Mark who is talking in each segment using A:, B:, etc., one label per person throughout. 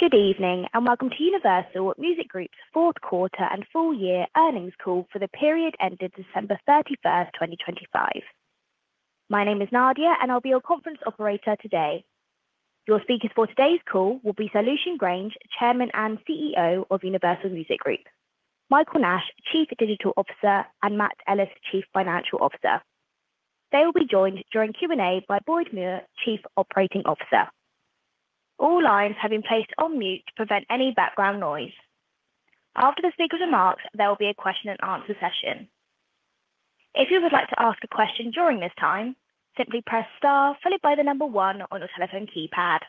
A: Good evening, and welcome to Universal Music Group's fourth quarter and full year earnings call for the period ended December 31, 2025. My name is Nadia, and I'll be your conference operator today. Your speakers for today's call will be Sir Lucian Grainge, Chairman and CEO of Universal Music Group, Michael Nash, Chief Digital Officer, and Matt Ellis, Chief Financial Officer. They will be joined during Q&A by Boyd Muir, Chief Operating Officer. All lines have been placed on mute to prevent any background noise. After the speaker's remarks, there will be a question and answer session. If you would like to ask a question during this time, simply press star followed by the number one on your telephone keypad.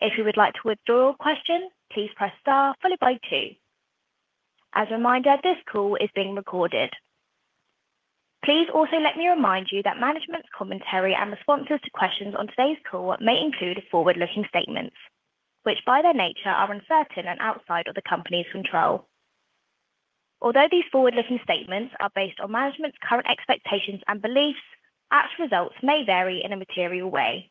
A: If you would like to withdraw your question, please press star followed by two. As a reminder, this call is being recorded. Please also let me remind you that management's commentary and the sponsors to questions on today's call may include forward-looking statements, which by their nature are uncertain and outside of the company's control. Although these forward-looking statements are based on management's current expectations and beliefs, actual results may vary in a material way.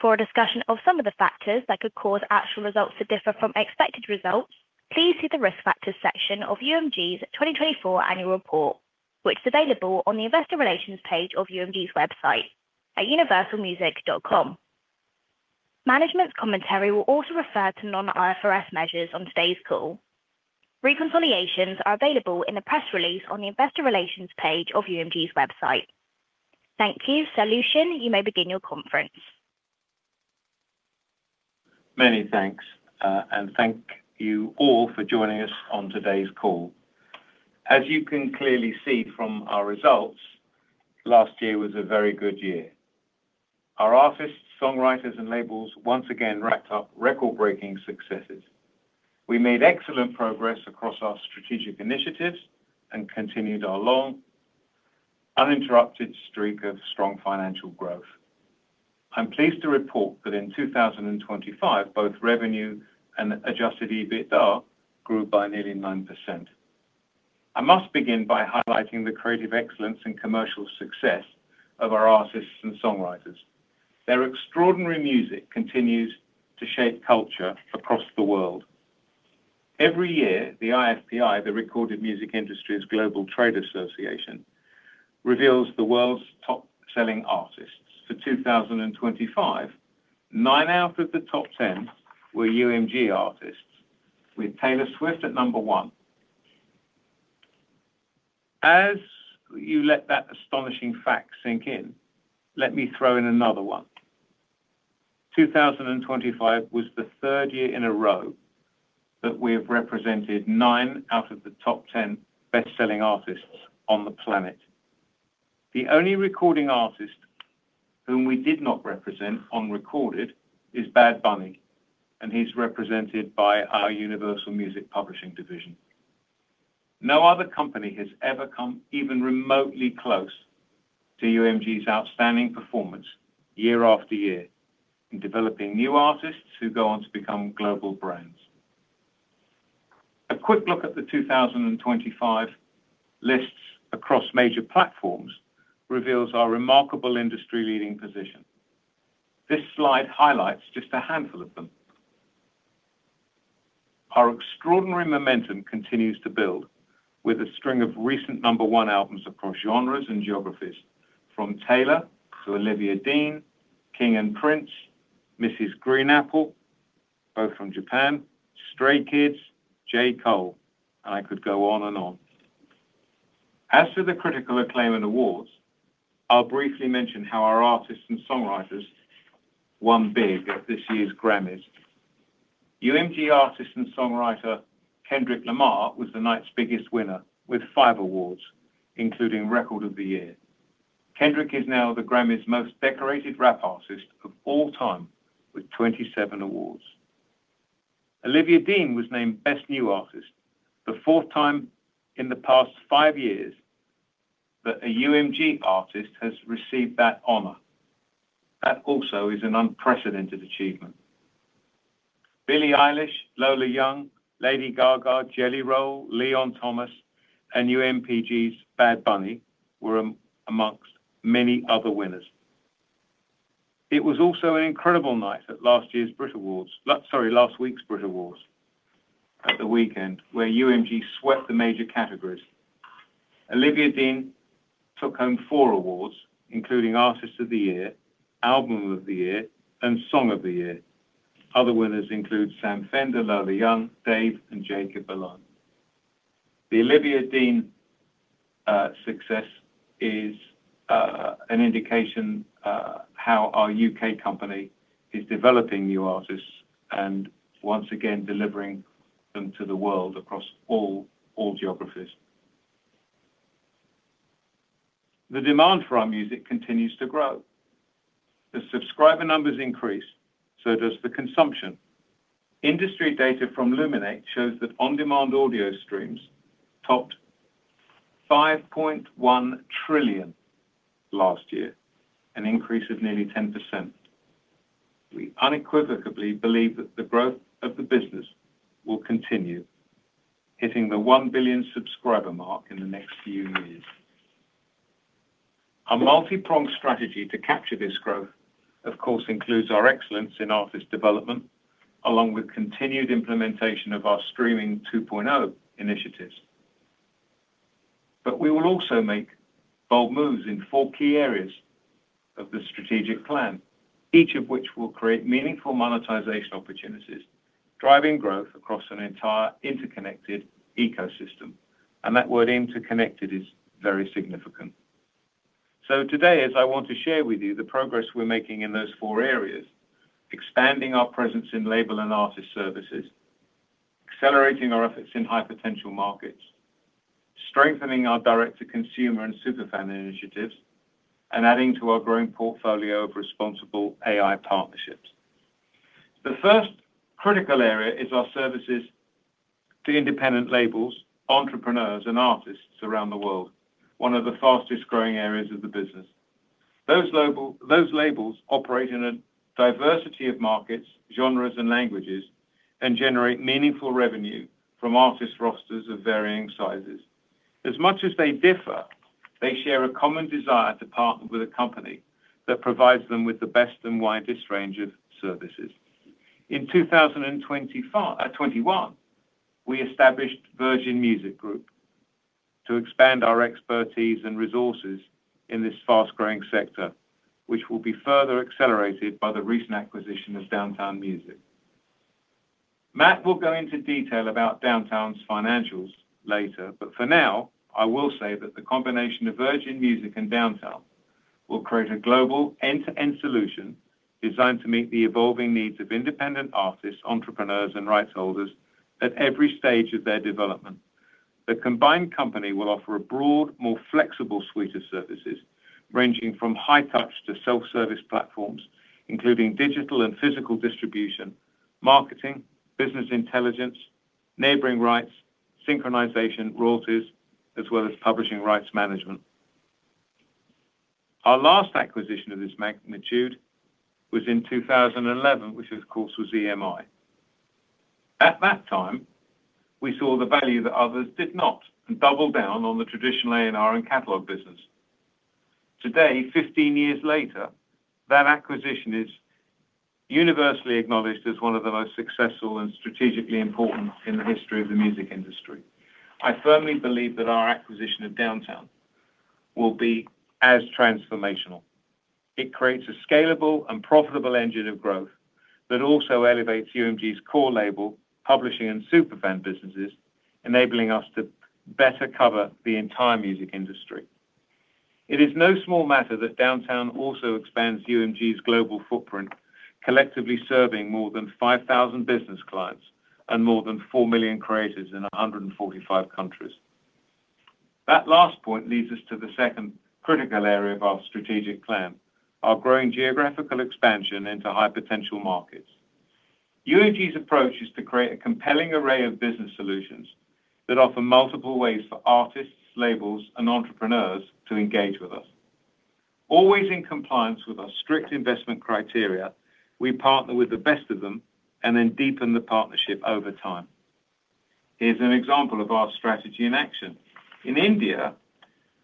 A: For a discussion of some of the factors that could cause actual results to differ from expected results, please see the Risk Factors section of UMG's 2024 Annual Report, which is available on the investor relations page of UMG's website at universalmusic.com. Management's commentary will also refer to non-IFRS measures on today's call. Reconciliations are available in the press release on the investor relations page of UMG's website. Thank you. Sir Lucian, you may begin your conference.
B: Many thanks, and thank you all for joining us on today's call. As you can clearly see from our results, last year was a very good year. Our artists, songwriters, and labels once again racked up record-breaking successes. We made excellent progress across our strategic initiatives and continued our long, uninterrupted streak of strong financial growth. I'm pleased to report that in 2025, both revenue and Adjusted EBITDA grew by nearly 9%. I must begin by highlighting the creative excellence and commercial success of our artists and songwriters. Their extraordinary music continues to shape culture across the world. Every year, the IFPI, the Recorded Music Industry's global trade association, reveals the world's top-selling artists. For 2025, nine out of the top 10 were UMG artists, with Taylor Swift at number one. As you let that astonishing fact sink in, let me throw in another one. 2025 was the third year in a row that we have represented nine out of the top 10 best-selling artists on the planet. The only recording artist whom we did not represent on recorded is Bad Bunny, and he's represented by our Universal Music Publishing division. No other company has ever come even remotely close to UMG's outstanding performance year after year in developing new artists who go on to become global brands. A quick look at the 2025 lists across major platforms reveals our remarkable industry-leading position. This slide highlights just a handful of them. Our extraordinary momentum continues to build with a string of recent number one albums across genres and geographies, from Taylor to Olivia Dean, King & Prince, Mrs. GREEN APPLE, both from Japan, Stray Kids, J. Cole. I could go on and on. As to the critical acclaim and awards, I'll briefly mention how our artists and songwriters won big at this year's Grammys. UMG artist and songwriter, Kendrick Lamar, was the night's biggest winner with five awards, including Record of the Year. Kendrick is now the Grammys' most decorated rap artist of all time with 27 awards. Olivia Dean was named Best New Artist, the fourth time in the past five years that a UMG artist has received that honor. That also is an unprecedented achievement. Billie Eilish, Lola Young, Lady Gaga, Jelly Roll, Leon Thomas, UMPG's Bad Bunny were amongst many other winners. It was also an incredible night at last year's Brit Awards. Sorry, last week's Brit Awards at the weekend where UMG swept the major categories. Olivia Dean took home four awards, including Artist of the Year, Album of the Year, and Song of the Year. Other winners include Sam Fender, Lola Young, Dave, and Jacob Collier. The Olivia Dean success is an indication how our U.K. company is developing new artists and once again, delivering them to the world across all geographies. The demand for our music continues to grow. The subscriber numbers increase, so does the consumption. Industry data from Luminate shows that on-demand audio streams topped 5.1 trillion last year, an increase of nearly 10%. We unequivocally believe that the growth of the business will continue, hitting the 1 billion subscriber mark in the next few years. Our multi-pronged strategy to capture this growth, of course, includes our excellence in artist development, along with continued implementation of our Streaming 2.0 initiatives. We will also make bold moves in four key areas of the strategic plan, each of which will create meaningful monetization opportunities, driving growth across an entire interconnected ecosystem. That word interconnected is very significant. Today, as I want to share with you the progress we're making in those four areas, expanding our presence in label and artist services, accelerating our efforts in high potential markets, strengthening our direct to consumer and superfan initiatives, and adding to our growing portfolio of responsible AI partnerships. The first critical area is our services to independent labels, entrepreneurs, and artists around the world, one of the fastest-growing areas of the business. Those labels operate in a diversity of markets, genres, and languages, and generate meaningful revenue from artist rosters of varying sizes. As much as they differ, they share a common desire to partner with a company that provides them with the best and widest range of services. In 2021, we established Virgin Music Group to expand our expertise and resources in this fast-growing sector, which will be further accelerated by the recent acquisition of Downtown Music. Matt will go into detail about Downtown's financials later, but for now, I will say that the combination of Virgin Music and Downtown will create a global end-to-end solution designed to meet the evolving needs of independent artists, entrepreneurs, and rights holders at every stage of their development. The combined company will offer a broad, more flexible suite of services ranging from high touch to self-service platforms, including digital and physical distribution, marketing, business intelligence, neighboring rights, synchronization, royalties, as well as publishing rights management. Our last acquisition of this magnitude was in 2011, which of course, was EMI. At that time, we saw the value that others did not and doubled down on the traditional A&R and catalog business. Today, 15 years later, that acquisition is universally acknowledged as one of the most successful and strategically important in the history of the music industry. I firmly believe that our acquisition of Downtown will be as transformational. It creates a scalable and profitable engine of growth that also elevates UMG's core label, publishing and super fan businesses, enabling us to better cover the entire music industry. It is no small matter that Downtown also expands UMG's global footprint, collectively serving more than 5,000 business clients and more than four million creators in 145 countries. That last point leads us to the second critical area of our strategic plan, our growing geographical expansion into high potential markets. UMG's approach is to create a compelling array of business solutions that offer multiple ways for artists, labels, and entrepreneurs to engage with us. Always in compliance with our strict investment criteria, we partner with the best of them and then deepen the partnership over time. Here's an example of our strategy in action. In India,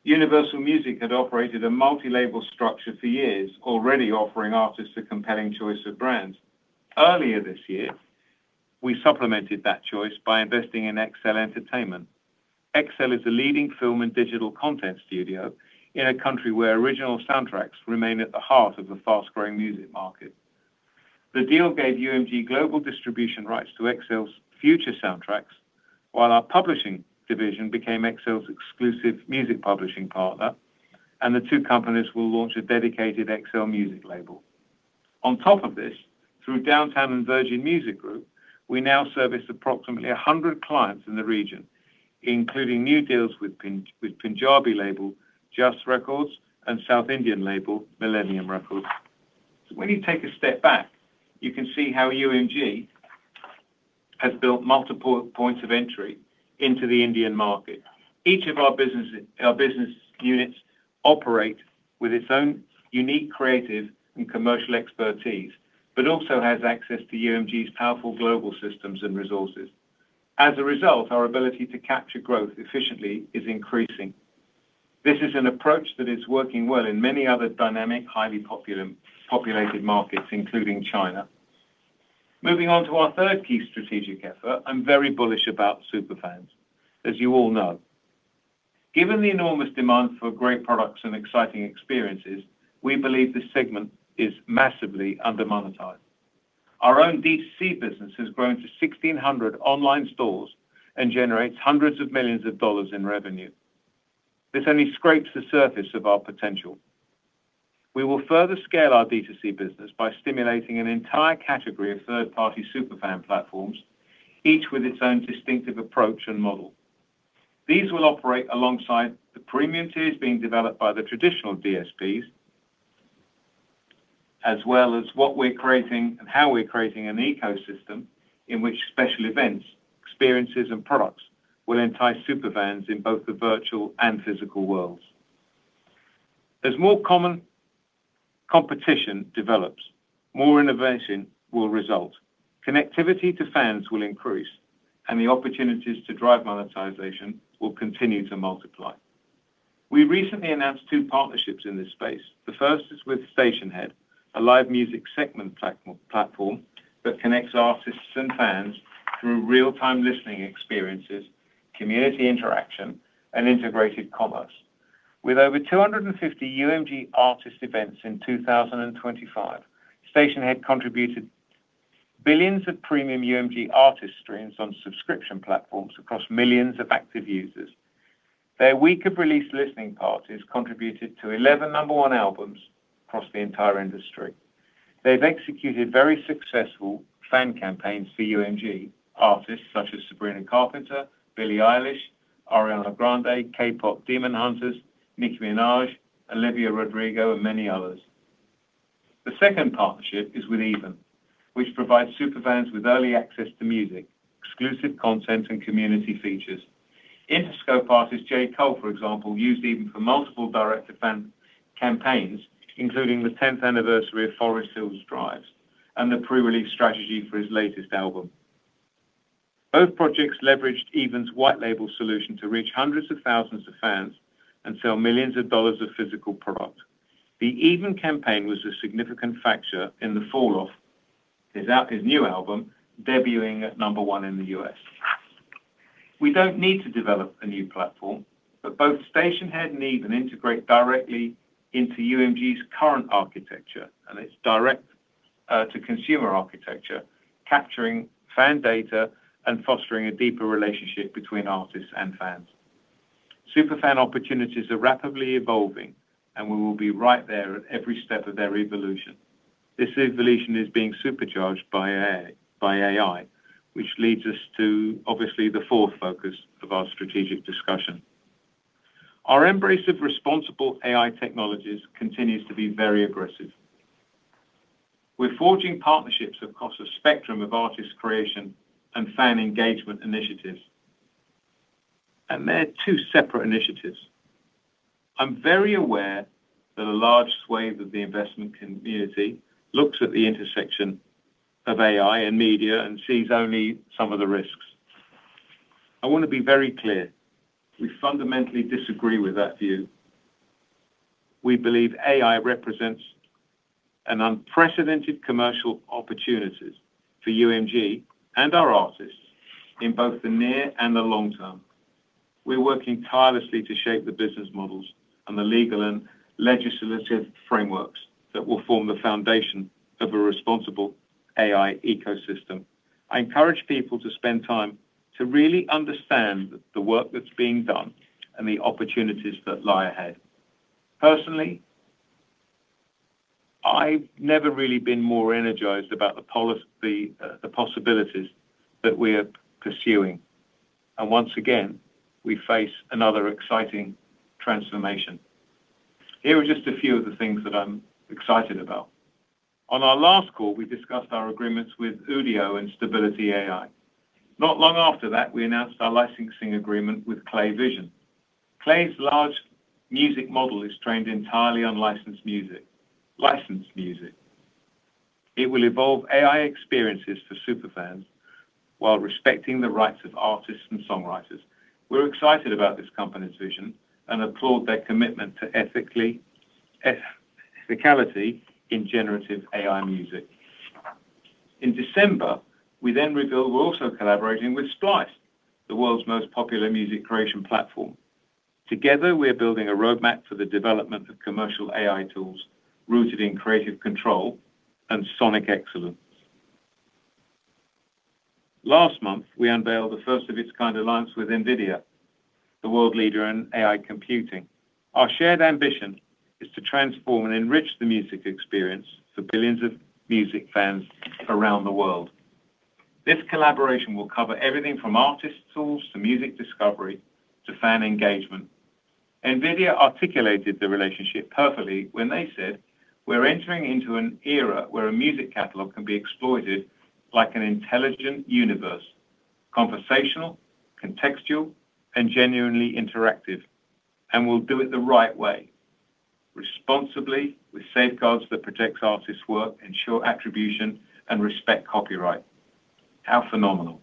B: Universal Music had operated a multi-label structure for years, already offering artists a compelling choice of brands. Earlier this year, we supplemented that choice by investing in Excel Entertainment. Excel is a leading film and digital content studio in a country where original soundtracks remain at the heart of the fast-growing music market. The deal gave UMG global distribution rights to Excel's future soundtracks, while our publishing division became Excel's exclusive music publishing partner. The two companies will launch a dedicated Excel music label. On top of this, through Downtown and Virgin Music Group, we now service approximately 100 clients in the region, including new deals with Punjabi label, Jus Records and South Indian label, Millennium Records. When you take a step back, you can see how UMG has built multiple points of entry into the Indian market. Each of our business units operate with its own unique creative and commercial expertise, but also has access to UMG's powerful global systems and resources. As a result, our ability to capture growth efficiently is increasing. This is an approach that is working well in many other dynamic, highly populated markets, including China. Moving on to our third key strategic effort, I'm very bullish about super fans, as you all know. Given the enormous demand for great products and exciting experiences, we believe this segment is massively under-monetized. Our own D2C business has grown to 1,600 online stores and generates hundreds of millions of dollars in revenue. This only scrapes the surface of our potential. We will further scale our D2C business by stimulating an entire category of third-party super fan platforms, each with its own distinctive approach and model. These will operate alongside the premium tiers being developed by the traditional DSPs, as well as what we're creating and how we're creating an ecosystem in which special events, experiences, and products will entice super fans in both the virtual and physical worlds. There's more Competition develops, more innovation will result, connectivity to fans will increase, and the opportunities to drive monetization will continue to multiply. We recently announced two partnerships in this space. The first is with Stationhead, a live music segment platform that connects artists and fans through real-time listening experiences, community interaction, and integrated commerce. With over 250 UMG artist events in 2025, Stationhead contributed billions of premium UMG artist streams on subscription platforms across millions of active users. Their week-of-release listening parties contributed to 11 number one albums across the entire industry. They've executed very successful fan campaigns for UMG, artists such as Sabrina Carpenter, Billie Eilish, Ariana Grande, KPop Demon Hunters, Nicki Minaj, Olivia Rodrigo, and many others. The second partnership is with EVEN, which provides super fans with early access to music, exclusive content, and community features. Interscope artist. Cole, for example, used EVEN for multiple direct-to-fan campaigns, including the 10th anniversary of 2014 Forest Hills Drive and the pre-release strategy for his latest album. Both projects leveraged EVEN's white label solution to reach hundreds of thousands of fans and sell millions of dollars of physical product. The EVEN campaign was a significant factor in The Fall Off, his new album, debuting at number one in the U.S. We don't need to develop a new platform, but both Stationhead and EVEN integrate directly into UMG's current architecture and its direct-to-consumer architecture, capturing fan data and fostering a deeper relationship between artists and fans. Superfan opportunities are rapidly evolving, and we will be right there at every step of their evolution. This evolution is being supercharged by AI, which leads us to obviously the fourth focus of our strategic discussion. Our embrace of responsible AI technologies continues to be very aggressive. We're forging partnerships across a spectrum of artist creation and fan engagement initiatives. They're two separate initiatives. I'm very aware that a large swathe of the investment community looks at the intersection of AI and media and sees only some of the risks. I wanna be very clear. We fundamentally disagree with that view. We believe AI represents an unprecedented commercial opportunities for UMG and our artists in both the near and the long term. We're working tirelessly to shape the business models and the legal and legislative frameworks that will form the foundation of a responsible AI ecosystem. I encourage people to spend time to really understand the work that's being done and the opportunities that lie ahead. Personally, I've never really been more energized about the possibilities that we're pursuing. Once again, we face another exciting transformation. Here are just a few of the things that I'm excited about. On our last call, we discussed our agreements with Udio and Stability AI. Not long after that, we announced our licensing agreement with KLAY Vision. KLAY's large music model is trained entirely on licensed music. It will evolve AI experiences for superfans while respecting the rights of artists and songwriters. We're excited about this company's vision and applaud their commitment to ethicality in generative AI music. In December, we revealed we're also collaborating with Splice, the world's most popular music creation platform. Together, we're building a roadmap for the development of commercial AI tools rooted in creative control and sonic excellence. Last month, we unveiled the first of its kind alliance with NVIDIA, the world leader in AI computing. Our shared ambition is to transform and enrich the music experience for billions of music fans around the world. This collaboration will cover everything from artist tools to music discovery to fan engagement. NVIDIA articulated the relationship perfectly when they said, "We're entering into an era where a music catalog can be exploited like an intelligent universe, conversational, contextual, and genuinely interactive, and we'll do it the right way, responsibly with safeguards that protects artists' work, ensure attribution, and respect copyright." How phenomenal.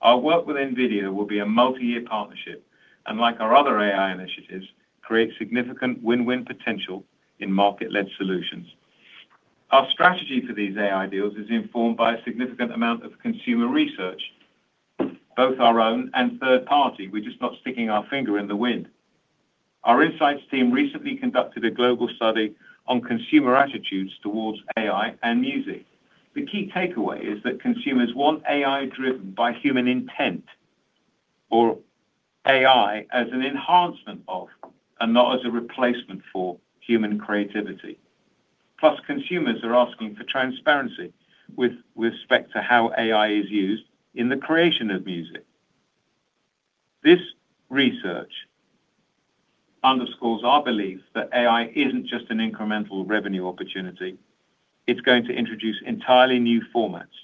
B: Our work with NVIDIA will be a multi-year partnership, and like our other AI initiatives, create significant win-win potential in market-led solutions. Our strategy for these AI deals is informed by a significant amount of consumer research, both our own and third party. We're just not sticking our finger in the wind. Our insights team recently conducted a global study on consumer attitudes towards AI and music. The key takeaway is that consumers want AI driven by human intent or AI as an enhancement of, and not as a replacement for, human creativity. Consumers are asking for transparency with respect to how AI is used in the creation of music. This research underscores our belief that AI isn't just an incremental revenue opportunity, it's going to introduce entirely new formats.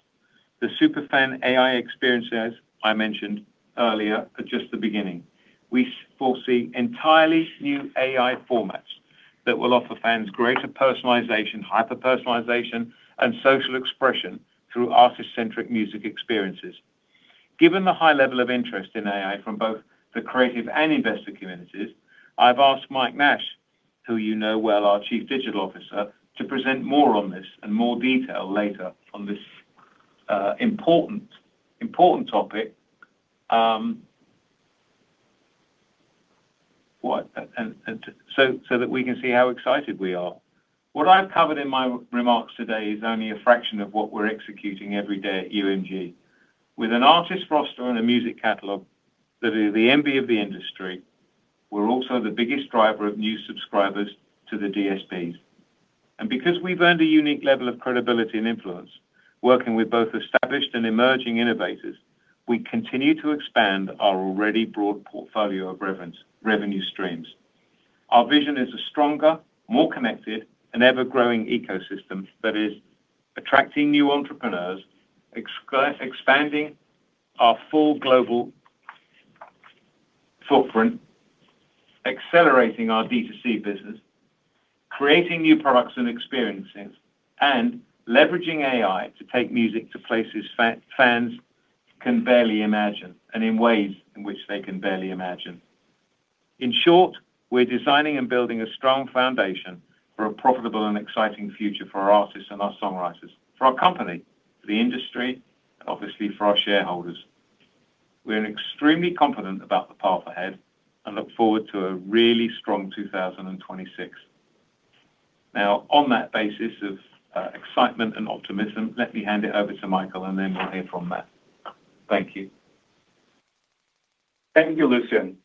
B: The superfan AI experiences I mentioned earlier are just the beginning. We foresee entirely new AI formats that will offer fans greater personalization, hyper-personalization, and social expression through artist-centric music experiences. Given the high level of interest in AI from both the creative and investor communities, I've asked Mike Nash, who you know well, our Chief Digital Officer, to present more on this in more detail later on this important topic so that we can see how excited we are. What I've covered in my remarks today is only a fraction of what we're executing every day at UMG. With an artist roster and a music catalog that is the envy of the industry, we're also the biggest driver of new subscribers to the DSPs. Because we've earned a unique level of credibility and influence working with both established and emerging innovators, we continue to expand our already broad portfolio of revenue streams. Our vision is a stronger, more connected and ever-growing ecosystem that is attracting new entrepreneurs, expanding our full global footprint, accelerating our D2C business, creating new products and experiences, and leveraging AI to take music to places fans can barely imagine and in ways in which they can barely imagine. In short, we're designing and building a strong foundation for a profitable and exciting future for our artists and our songwriters, for our company, for the industry, and obviously for our shareholders. We're extremely confident about the path ahead and look forward to a really strong 2026. On that basis of excitement and optimism, let me hand it over to Michael, and then we'll hear from Matt. Thank you.
C: Thank you, Lucian.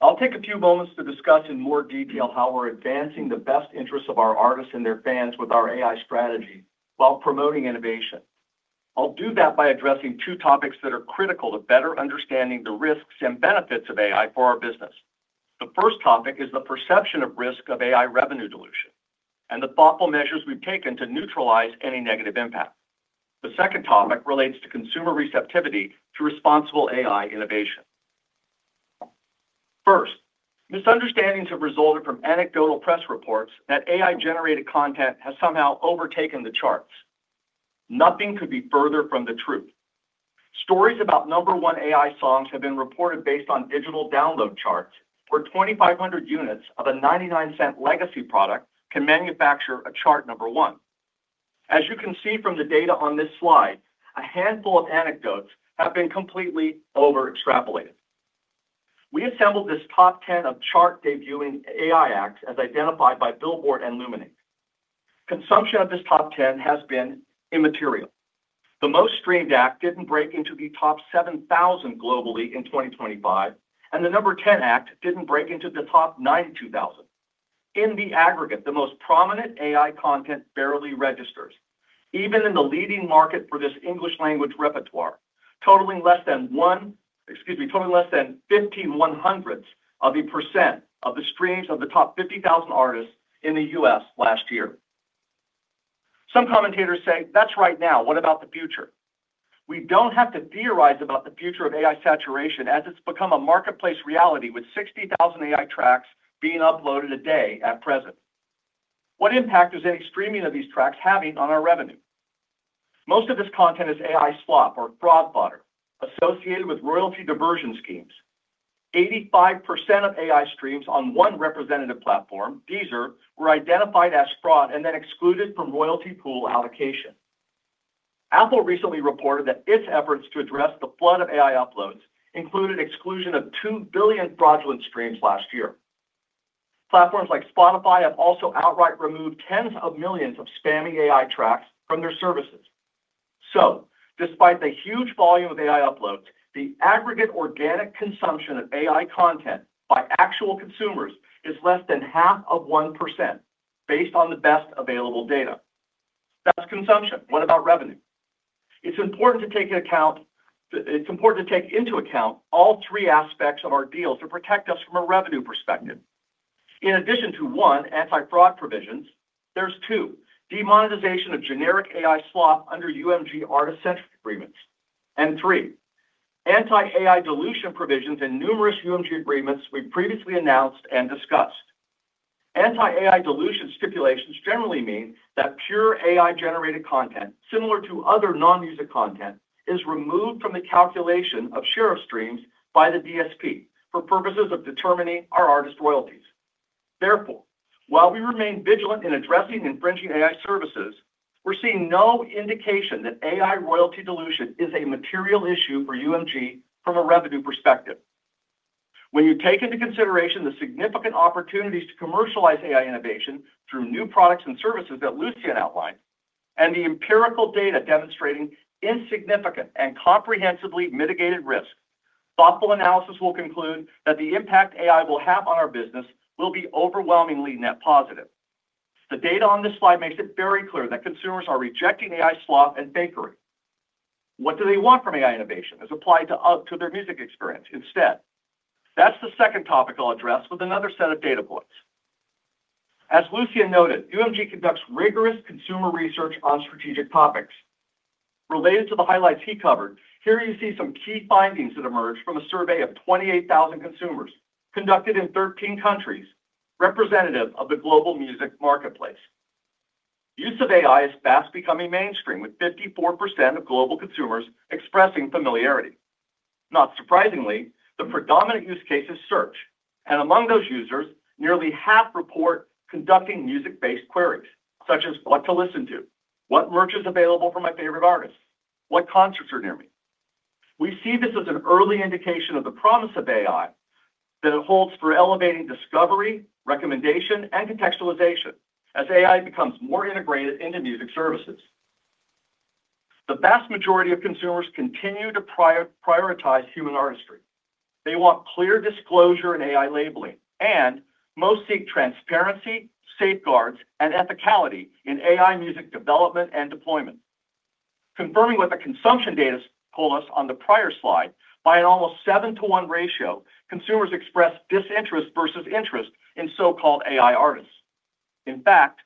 C: I'll take a few moments to discuss in more detail how we're advancing the best interests of our artists and their fans with our AI strategy while promoting innovation. I'll do that by addressing two topics that are critical to better understanding the risks and benefits of AI for our business. The first topic is the perception of risk of AI revenue dilution, and the thoughtful measures we've taken to neutralize any negative impact. The second topic relates to consumer receptivity to responsible AI innovation. Misunderstandings have resulted from anecdotal press reports that AI-generated content has somehow overtaken the charts. Nothing could be further from the truth. Stories about number one AI songs have been reported based on digital download charts, where 2,500 units of a 0.99 legacy product can manufacture a chart number one. As you can see from the data on this slide, a handful of anecdotes have been completely over-extrapolated. We assembled this top 10 of chart-debuting AI acts as identified by Billboard and Luminate. Consumption of this top 10 has been immaterial. The most-streamed act didn't break into the top 7,000 globally in 2025, and the number 10 act didn't break into the top 92,000. In the aggregate, the most prominent AI content barely registers, even in the leading market for this English language repertoire, totaling less than, excuse me, totaling less than 0.15% of the streams of the top 50,000 artists in the U.S. last year. Some commentators say, "That's right now, what about the future?" We don't have to theorize about the future of AI saturation as it's become a marketplace reality with 60,000 AI tracks being uploaded a day at present. What impact is any streaming of these tracks having on our revenue? Most of this content is AI slop or fraud fodder associated with royalty diversion schemes. 85% of AI streams on one representative platform, Deezer, were identified as fraud and then excluded from royalty pool allocation. Apple recently reported that its efforts to address the flood of AI uploads included exclusion of 2 billion fraudulent streams last year. Platforms like Spotify have also outright removed tens of millions of spammy AI tracks from their services. Despite the huge volume of AI uploads, the aggregate organic consumption of AI content by actual consumers is less than half of 1% based on the best available data. That's consumption. What about revenue? It's important to take into account all three aspects of our deals to protect us from a revenue perspective. In addition to, one, anti-fraud provisions, there's two, demonetization of generic AI slop under UMG Artist-Centric agreements, and three, anti-AI dilution provisions in numerous UMG agreements we've previously announced and discussed. Anti-AI dilution stipulations generally mean that pure AI-generated content, similar to other non-music content, is removed from the calculation of share of streams by the DSP for purposes of determining our artist royalties. Therefore, while we remain vigilant in addressing infringing AI services, we're seeing no indication that AI royalty dilution is a material issue for UMG from a revenue perspective. When you take into consideration the significant opportunities to commercialize AI innovation through new products and services that Lucian outlined and the empirical data demonstrating insignificant and comprehensively mitigated risk, thoughtful analysis will conclude that the impact AI will have on our business will be overwhelmingly net positive. The data on this slide makes it very clear that consumers are rejecting AI slop and fakery. What do they want from AI innovation as applied to their music experience instead? That's the second topic I'll address with another set of data points. As Lucian noted, UMG conducts rigorous consumer research on strategic topics. Related to the highlights he covered, here you see some key findings that emerged from a survey of 28,000 consumers conducted in 13 countries, representative of the global music marketplace. Use of AI is fast becoming mainstream, with 54% of global consumers expressing familiarity. Not surprisingly, the predominant use case is search, and among those users, nearly half report conducting music-based queries, such as what to listen to, what merch is available for my favorite artists, what concerts are near me. We see this as an early indication of the promise of AI that it holds for elevating discovery, recommendation, and contextualization as AI becomes more integrated into music services. The vast majority of consumers continue to prioritize human artistry. Most seek transparency, safeguards, and ethicality in AI music development and deployment. Confirming what the consumption data told us on the prior slide, by an almost 7:1, consumers expressed disinterest versus interest in so-called AI artists. In fact,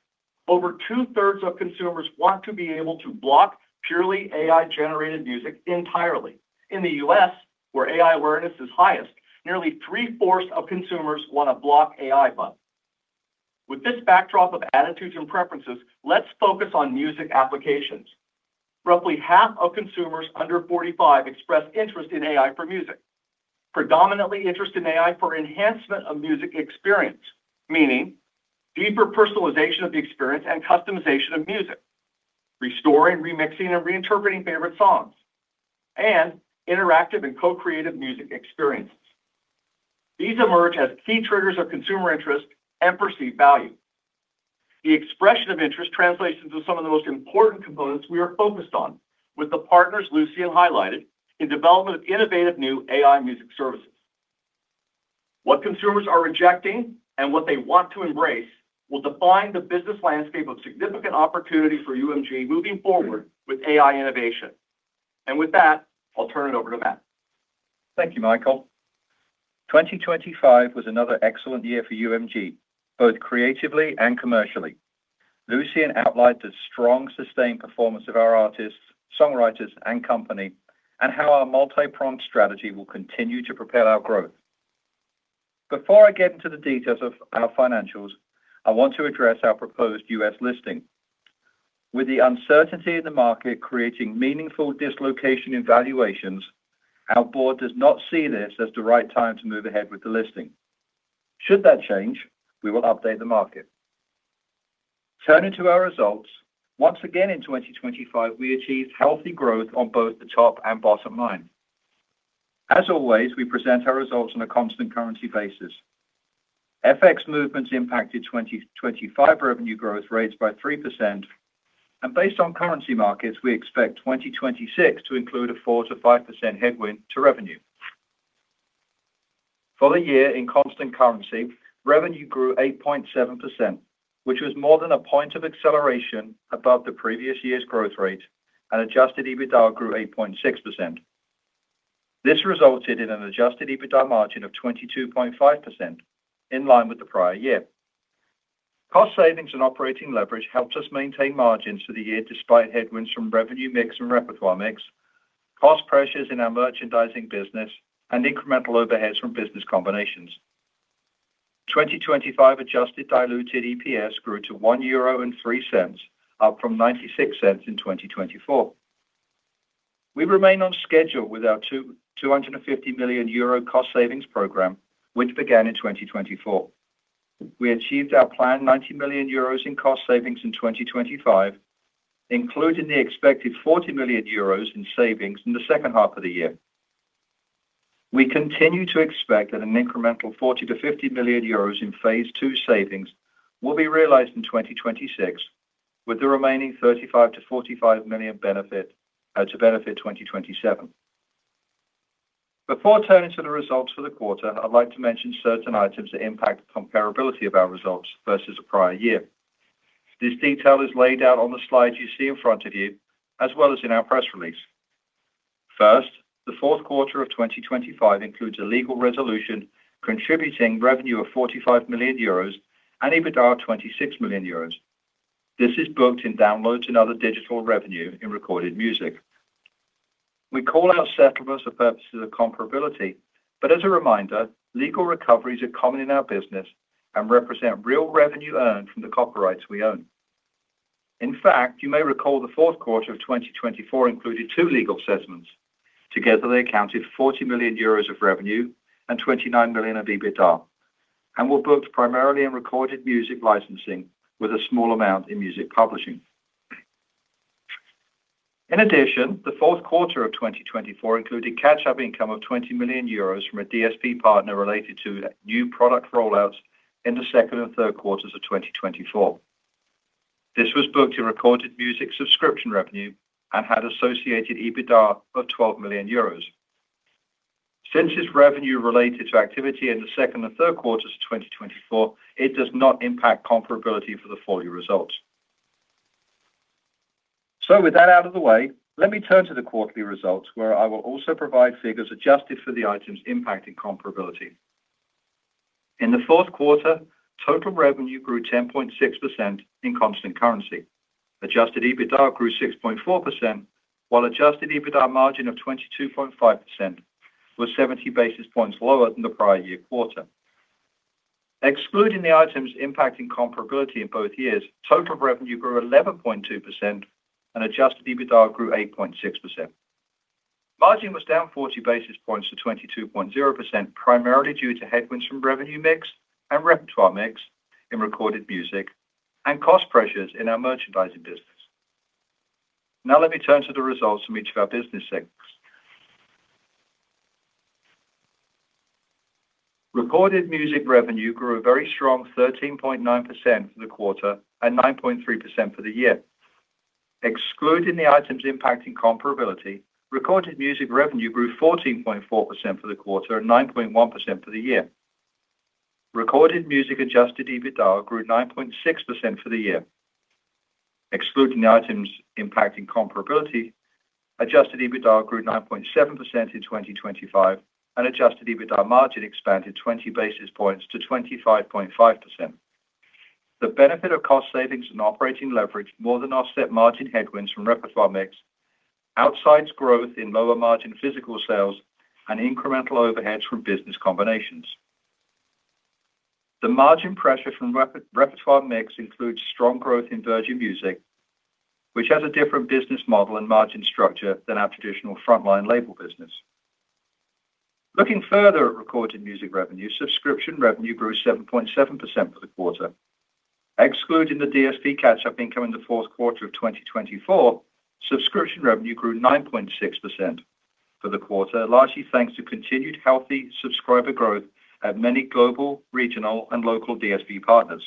C: over 2/3 of consumers want to be able to block purely AI-generated music entirely. In the U.S., where AI awareness is highest, nearly 3/4 of consumers want to block AI music. With this backdrop of attitudes and preferences, let's focus on music applications. Roughly half of consumers under 45 expressed interest in AI for music, predominantly interest in AI for enhancement of music experience, meaning deeper personalization of the experience and customization of music, restoring, remixing, and reinterpreting favorite songs, and interactive and co-creative music experiences. These emerge as key triggers of consumer interest and perceived value. The expression of interest translates into some of the most important components we are focused on with the partners Lucian highlighted in development of innovative new AI music services. What consumers are rejecting and what they want to embrace will define the business landscape of significant opportunity for UMG moving forward with AI innovation. With that, I'll turn it over to Matt.
D: Thank you, Michael. 2025 was another excellent year for UMG, both creatively and commercially. Lucian outlined the strong, sustained performance of our artists, songwriters, and company and how our multi-pronged strategy will continue to propel our growth. Before I get into the details of our financials, I want to address our proposed U.S. listing. With the uncertainty in the market creating meaningful dislocation in valuations, our board does not see this as the right time to move ahead with the listing. Should that change, we will update the market. Turning to our results, once again, in 2025, we achieved healthy growth on both the top and bottom line. As always, we present our results on a constant currency basis. FX movements impacted 2025 revenue growth rates by 3%, and based on currency markets, we expect 2026 to include a 4%-5% headwind to revenue. For the year, in constant currency, revenue grew 8.7%, which was more than a point of acceleration above the previous year's growth rate, and Adjusted EBITDA grew 8.6%. This resulted in an Adjusted EBITDA margin of 22.5%, in line with the prior year. Cost savings and operating leverage helped us maintain margins for the year despite headwinds from revenue mix and repertoire mix, cost pressures in our merchandising business, and incremental overheads from business combinations. 2025 adjusted diluted EPS grew to 1.03 euro, up from 0.96 in 2024. We remain on schedule with our 250 million euro cost savings program, which began in 2024. We achieved our planned 90 million euros in cost savings in 2025, including the expected 40 million euros in savings in the second half of the year. We continue to expect that an incremental 40 million-50 million euros in phase 2 savings will be realized in 2026, with the remaining 35 million-45 million benefit to benefit 2027. Before turning to the results for the quarter, I'd like to mention certain items that impact comparability of our results versus the prior year. This detail is laid out on the slides you see in front of you, as well as in our press release. First, the fourth quarter of 2025 includes a legal resolution contributing revenue of 45 million euros and EBITDA of 26 million euros. This is booked in downloads and other digital revenue in Recorded Music. We call out settlements for purposes of comparability, but as a reminder, legal recoveries are common in our business and represent real revenue earned from the copyrights we own. In fact, you may recall the fourth quarter of 2024 included two legal settlements. Together, they accounted 40 million euros of revenue and 29 million of EBITDA and were booked primarily in Recorded Music licensing with a small amount in Music Publishing. In addition, the fourth quarter of 2024 included catch-up income of 20 million euros from a DSP partner related to new product rollouts in the second and third quarters of 2024. This was booked in Recorded Music subscription revenue and had associated EBITDA of 12 million euros. Since it's revenue related to activity in the second and third quarters of 2024, it does not impact comparability for the full-year results. With that out of the way, let me turn to the quarterly results, where I will also provide figures adjusted for the items impacting comparability. In the fourth quarter, total revenue grew 10.6% in constant currency. Adjusted EBITDA grew 6.4%, while Adjusted EBITDA margin of 22.5% was 70 basis points lower than the prior year quarter. Excluding the items impacting comparability in both years, total revenue grew 11.2% and Adjusted EBITDA grew 8.6%. Margin was down 40 basis points to 22.0%, primarily due to headwinds from revenue mix and repertoire mix in Recorded Music and cost pressures in our merchandising business. Now let me turn to the results from each of our business segments. Recorded Music revenue grew a very strong 13.9% for the quarter and 9.3% for the year. Excluding the items impacting comparability, Recorded Music revenue grew 14.4% for the quarter and 9.1% for the year. Recorded Music Adjusted EBITDA grew 9.6% for the year. Excluding the items impacting comparability, Adjusted EBITDA grew 9.7% in 2025, and Adjusted EBITDA margin expanded 20 basis points to 25.5%. The benefit of cost savings and operating leverage more than offset margin headwinds from repertoire mix, outsides growth in lower margin physical sales and incremental overheads from business combinations. The margin pressure from repertoire mix includes strong growth in Virgin Music, which has a different business model and margin structure than our traditional frontline label business. Looking further at Recorded Music revenue, subscription revenue grew 7.7% for the quarter. Excluding the DSP Catch-Up Income in the fourth quarter of 2024, subscription revenue grew 9.6% for the quarter, largely thanks to continued healthy subscriber growth at many global, regional and local DSP partners.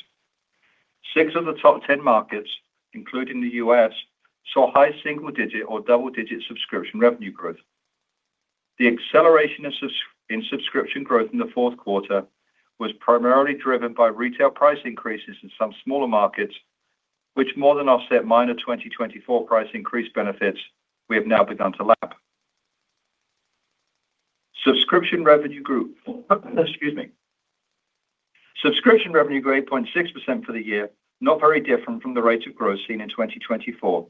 D: Six of the top 10 markets, including the U.S., saw high single digit or double-digit subscription revenue growth. The acceleration in subscription growth in the fourth quarter was primarily driven by retail price increases in some smaller markets, which more than offset minor 2024 price increase benefits we have now begun to lap. Subscription revenue grew Excuse me. Subscription revenue grew 8.6% for the year, not very different from the rates of growth seen in 2024.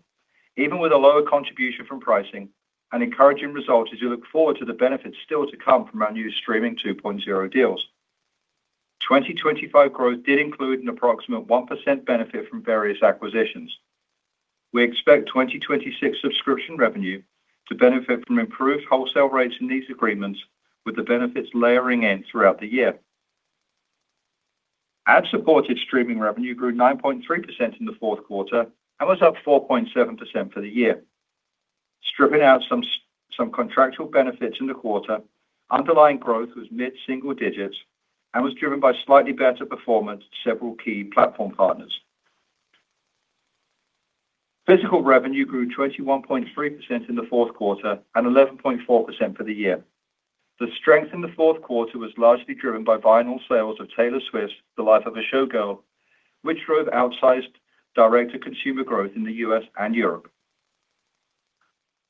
D: Even with a lower contribution from pricing, an encouraging result as you look forward to the benefits still to come from our new Streaming 2.0 deals. 2025 growth did include an approximate 1% benefit from various acquisitions. We expect 2026 subscription revenue to benefit from improved wholesale rates in these agreements with the benefits layering in throughout the year. Ad-supported streaming revenue grew 9.3% in the fourth quarter and was up 4.7% for the year. Stripping out some contractual benefits in the quarter, underlying growth was mid-single digits and was driven by slightly better performance to several key platform partners. Physical revenue grew 21.3% in the fourth quarter and 11.4% for the year. The strength in the fourth quarter was largely driven by vinyl sales of Taylor Swift's The Life of a Showgirl, which drove outsized direct-to-consumer growth in the U.S. and Europe.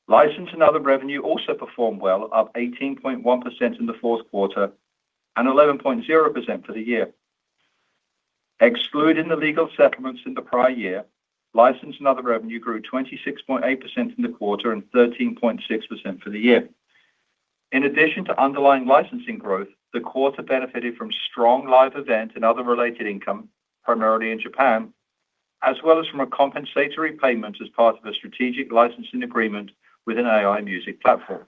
D: License and other revenue also performed well, up 18.1% in the fourth quarter and 11.0% for the year. Excluding the legal settlements in the prior year, license and other revenue grew 26.8% in the quarter and 13.6% for the year. In addition to underlying licensing growth, the quarter benefited from strong live event and other related income, primarily in Japan, as well as from a compensatory payment as part of a strategic licensing agreement with an AI music platform.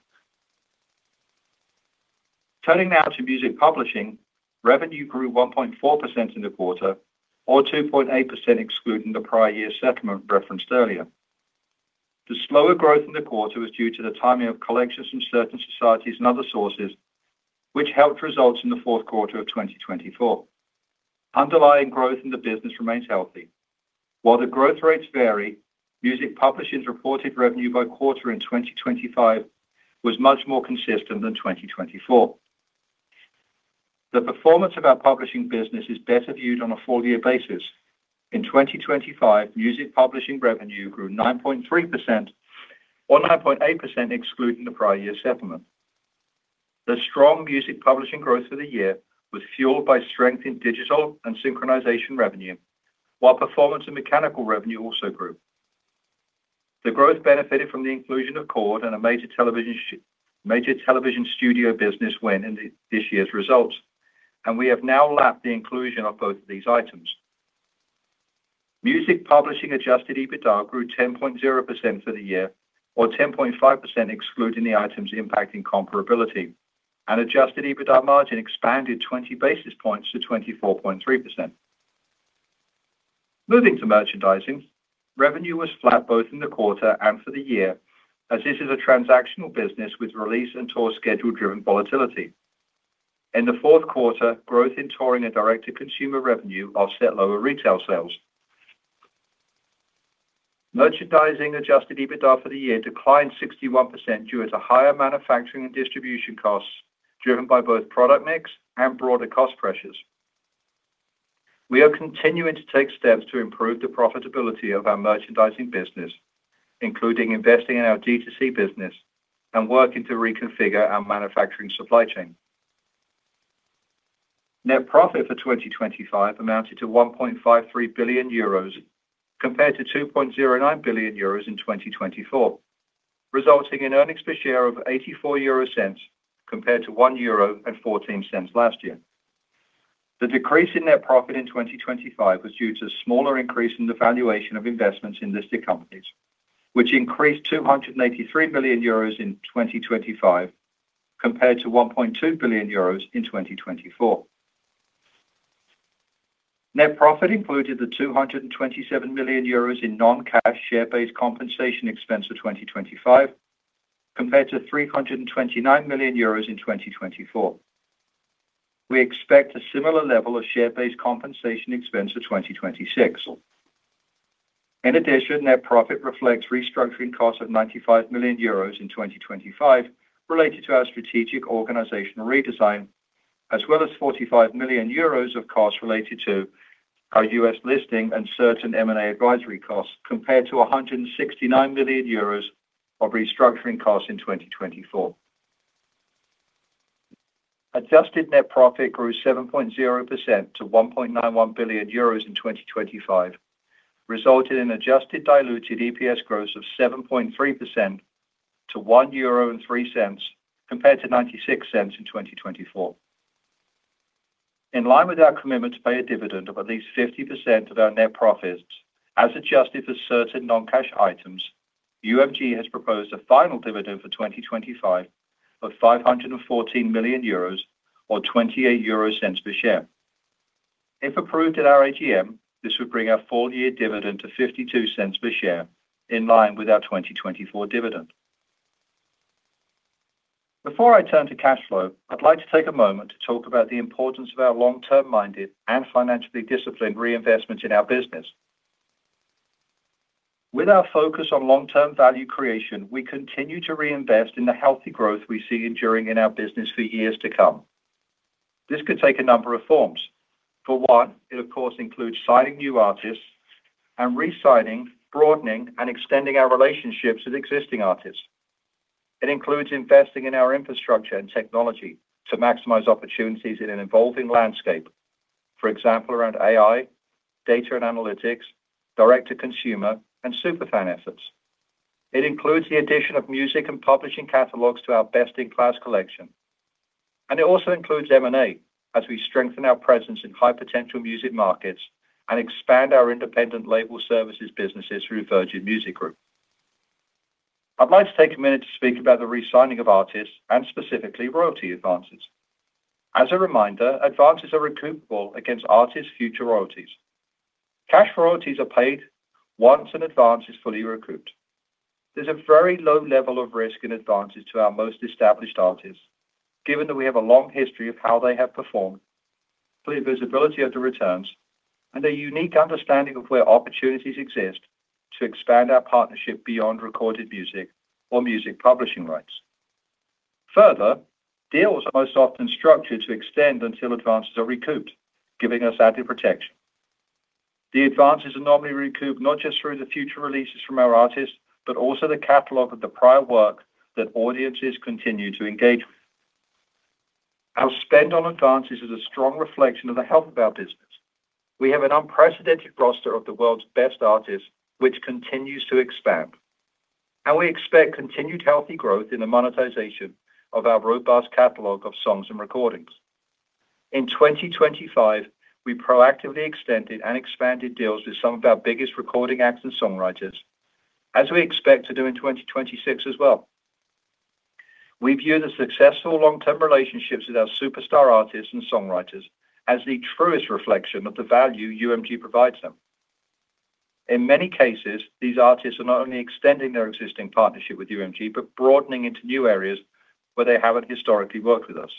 D: Turning now to Music Publishing, revenue grew 1.4% in the quarter or 2.8% excluding the prior year settlement referenced earlier. The slower growth in the quarter was due to the timing of collections from certain societies and other sources, which helped results in the fourth quarter of 2024. Underlying growth in the business remains healthy. While the growth rates vary, Music Publishing's reported revenue by quarter in 2025 was much more consistent than 2024. The performance of our publishing business is better viewed on a full year basis. In 2025, Music Publishing revenue grew 9.3% or 9.8% excluding the prior year settlement. The strong Music Publishing growth for the year was fueled by strength in digital and synchronization revenue, while performance and mechanical revenue also grew. The growth benefited from the inclusion of Chord and a major television studio business win in this year's results, and we have now lapped the inclusion of both of these items. Music Publishing Adjusted EBITDA grew 10.0% for the year or 10.5% excluding the items impacting comparability, and Adjusted EBITDA margin expanded 20 basis points to 24.3%. Moving to merchandising. Revenue was flat both in the quarter and for the year as this is a transactional business with release and tour schedule-driven volatility. In the fourth quarter, growth in touring and direct-to-consumer revenue offset lower retail sales. Merchandising Adjusted EBITDA for the year declined 61% due to higher manufacturing and distribution costs driven by both product mix and broader cost pressures. We are continuing to take steps to improve the profitability of our merchandising business, including investing in our D2C business and working to reconfigure our manufacturing supply chain. Net profit for 2025 amounted to 1.53 billion euros compared to 2.09 billion euros in 2024, resulting in earnings per share of 0.84 compared to 1.14 euro last year. The decrease in net profit in 2025 was due to smaller increase in the valuation of investments in listed companies, which increased 283 million euros in 2025 compared to 1.2 billion euros in 2024. Net profit included the 227 million euros in non-cash share-based compensation expense for 2025 compared to 329 million euros in 2024. We expect a similar level of share-based compensation expense for 2026. In addition, net profit reflects restructuring costs of 95 million euros in 2025 related to our strategic organizational redesign, as well as 45 million euros of costs related to our U.S. listing and certain M&A advisory costs, compared to 169 million euros of restructuring costs in 2024. Adjusted net profit grew 7.0% to 1.91 billion euros in 2025, resulting in adjusted diluted EPS growth of 7.3% to 1.03 euro compared to 0.96 in 2024. In line with our commitment to pay a dividend of at least 50% of our net profits, as adjusted for certain non-cash items, UMG has proposed a final dividend for 2025 of 514 million euros or 0.28 per share. If approved at our AGM, this would bring our full-year dividend to 0.52 per share in line with our 2024 dividend. Before I turn to cash flow, I'd like to take a moment to talk about the importance of our long-term-minded and financially disciplined reinvestments in our business. With our focus on long-term value creation, we continue to reinvest in the healthy growth we see enduring in our business for years to come. This could take a number of forms. It, of course, includes signing new artists and re-signing, broadening, and extending our relationships with existing artists. It includes investing in our infrastructure and technology to maximize opportunities in an evolving landscape. For example, around AI, data and analytics, direct-to-consumer, and superfan efforts. It includes the addition of Music Publishing catalogs to our best-in-class collection. It also includes M&A as we strengthen our presence in high-potential music markets and expand our independent label services businesses through Virgin Music Group. I'd like to take a minute to speak about the re-signing of artists and specifically royalty advances. As a reminder, advances are recoupable against artists' future royalties. Cash royalties are paid once an advance is fully recouped. There's a very low level of risk in advances to our most established artists, given that we have a long history of how they have performed, clear visibility of the returns, and a unique understanding of where opportunities exist to expand our partnership beyond Recorded Music or Music Publishing rights. Further, deals are most often structured to extend until advances are recouped, giving us added protection. The advances are normally recouped not just through the future releases from our artists, but also the catalog of the prior work that audiences continue to engage with. Our spend on advances is a strong reflection of the health of our business. We have an unprecedented roster of the world's best artists, which continues to expand, and we expect continued healthy growth in the monetization of our robust catalog of songs and recordings. In 2025, we proactively extended and expanded deals with some of our biggest recording acts and songwriters, as we expect to do in 2026 as well. We view the successful long-term relationships with our superstar artists and songwriters as the truest reflection of the value UMG provides them. In many cases, these artists are not only extending their existing partnership with UMG, but broadening into new areas where they haven't historically worked with us.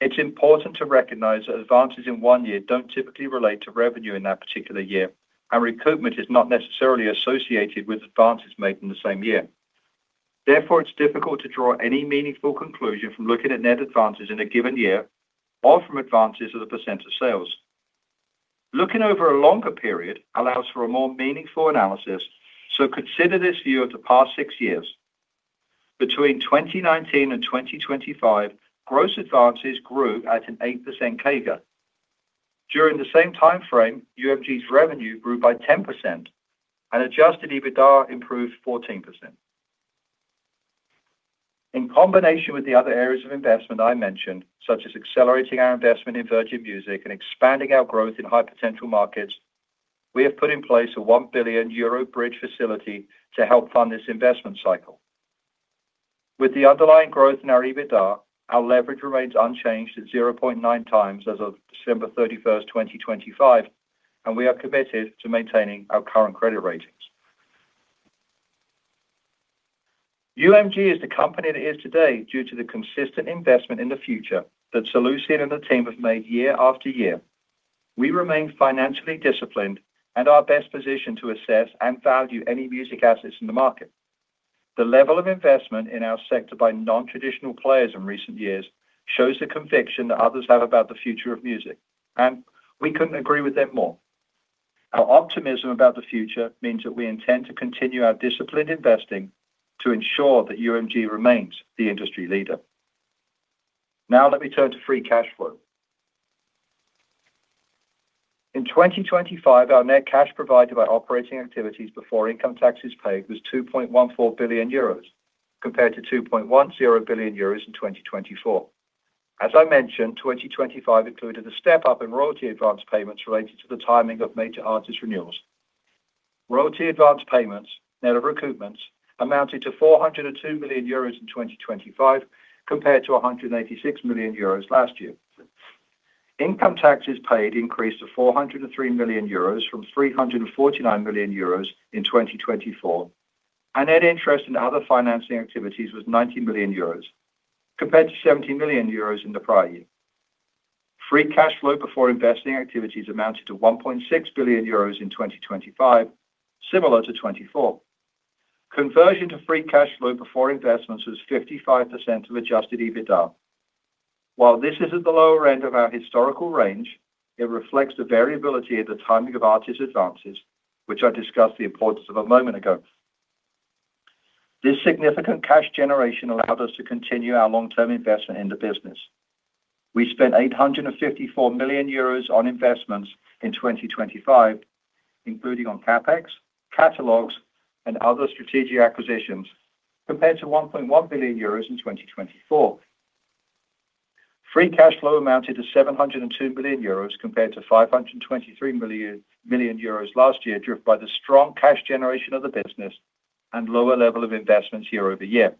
D: It's important to recognize that advances in one year don't typically relate to revenue in that particular year, and recoupment is not necessarily associated with advances made in the same year. Therefore, it's difficult to draw any meaningful conclusion from looking at net advances in a given year or from advances as a % of sales. Looking over a longer period allows for a more meaningful analysis, so consider this view of the past six years. Between 2019 and 2025, gross advances grew at an 8% CAGR. During the same time frame, UMG's revenue grew by 10% and Adjusted EBITDA improved 14%. In combination with the other areas of investment I mentioned, such as accelerating our investment in Virgin Music and expanding our growth in high-potential markets, we have put in place a 1 billion euro bridge facility to help fund this investment cycle. With the underlying growth in our EBITDA, our leverage remains unchanged at 0.9x as of December 31, 2025, and we are committed to maintaining our current credit ratings. UMG is the company it is today due to the consistent investment in the future that Sir Lucian and the team have made year after year. We remain financially disciplined and are best positioned to assess and value any music assets in the market. The level of investment in our sector by non-traditional players in recent years shows the conviction that others have about the future of music. We couldn't agree with them more. Our optimism about the future means that we intend to continue our disciplined investing to ensure that UMG remains the industry leader. Let me turn to free cash flow. In 2025, our net cash provided by operating activities before income taxes paid was 2.14 billion euros, compared to 2.10 billion euros in 2024. As I mentioned, 2025 included a step-up in royalty advance payments related to the timing of major artist renewals. Royalty advance payments, net of recoupments, amounted to 402 million euros in 2025, compared to 186 million euros last year. Income taxes paid increased to 403 million euros from 349 million euros in 2024. Net interest in other financing activities was 90 million euros, compared to 70 million euros in the prior year. Free cash flow before investing activities amounted to 1.6 billion euros in 2025, similar to 2024. Conversion to free cash flow before investments was 55% of Adjusted EBITDA. While this is at the lower end of our historical range, it reflects the variability of the timing of artist advances, which I discussed the importance of a moment ago. This significant cash generation allowed us to continue our long-term investment in the business. We spent 854 million euros on investments in 2025, including on CapEx, catalogs, and other strategic acquisitions, compared to 1.1 billion euros in 2024. Free cash flow amounted to 702 million euros compared to 523 million last year, driven by the strong cash generation of the business and lower level of investments year-over-year.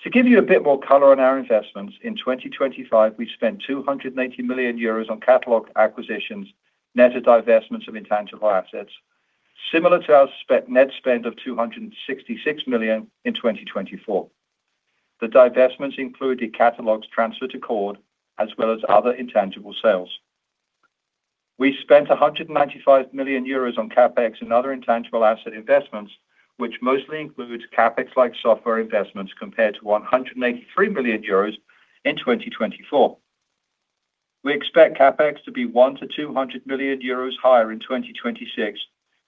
D: To give you a bit more color on our investments, in 2025, we spent 280 million euros on catalog acquisitions, net of divestments of intangible assets, similar to our net spend of 266 million in 2024. The divestments included catalogs transferred to Chord, as well as other intangible sales. We spent 195 million euros on CapEx and other intangible asset investments, which mostly includes CapEx-like software investments, compared to 183 million euros in 2024. We expect CapEx to be 100 million-200 million euros higher in 2026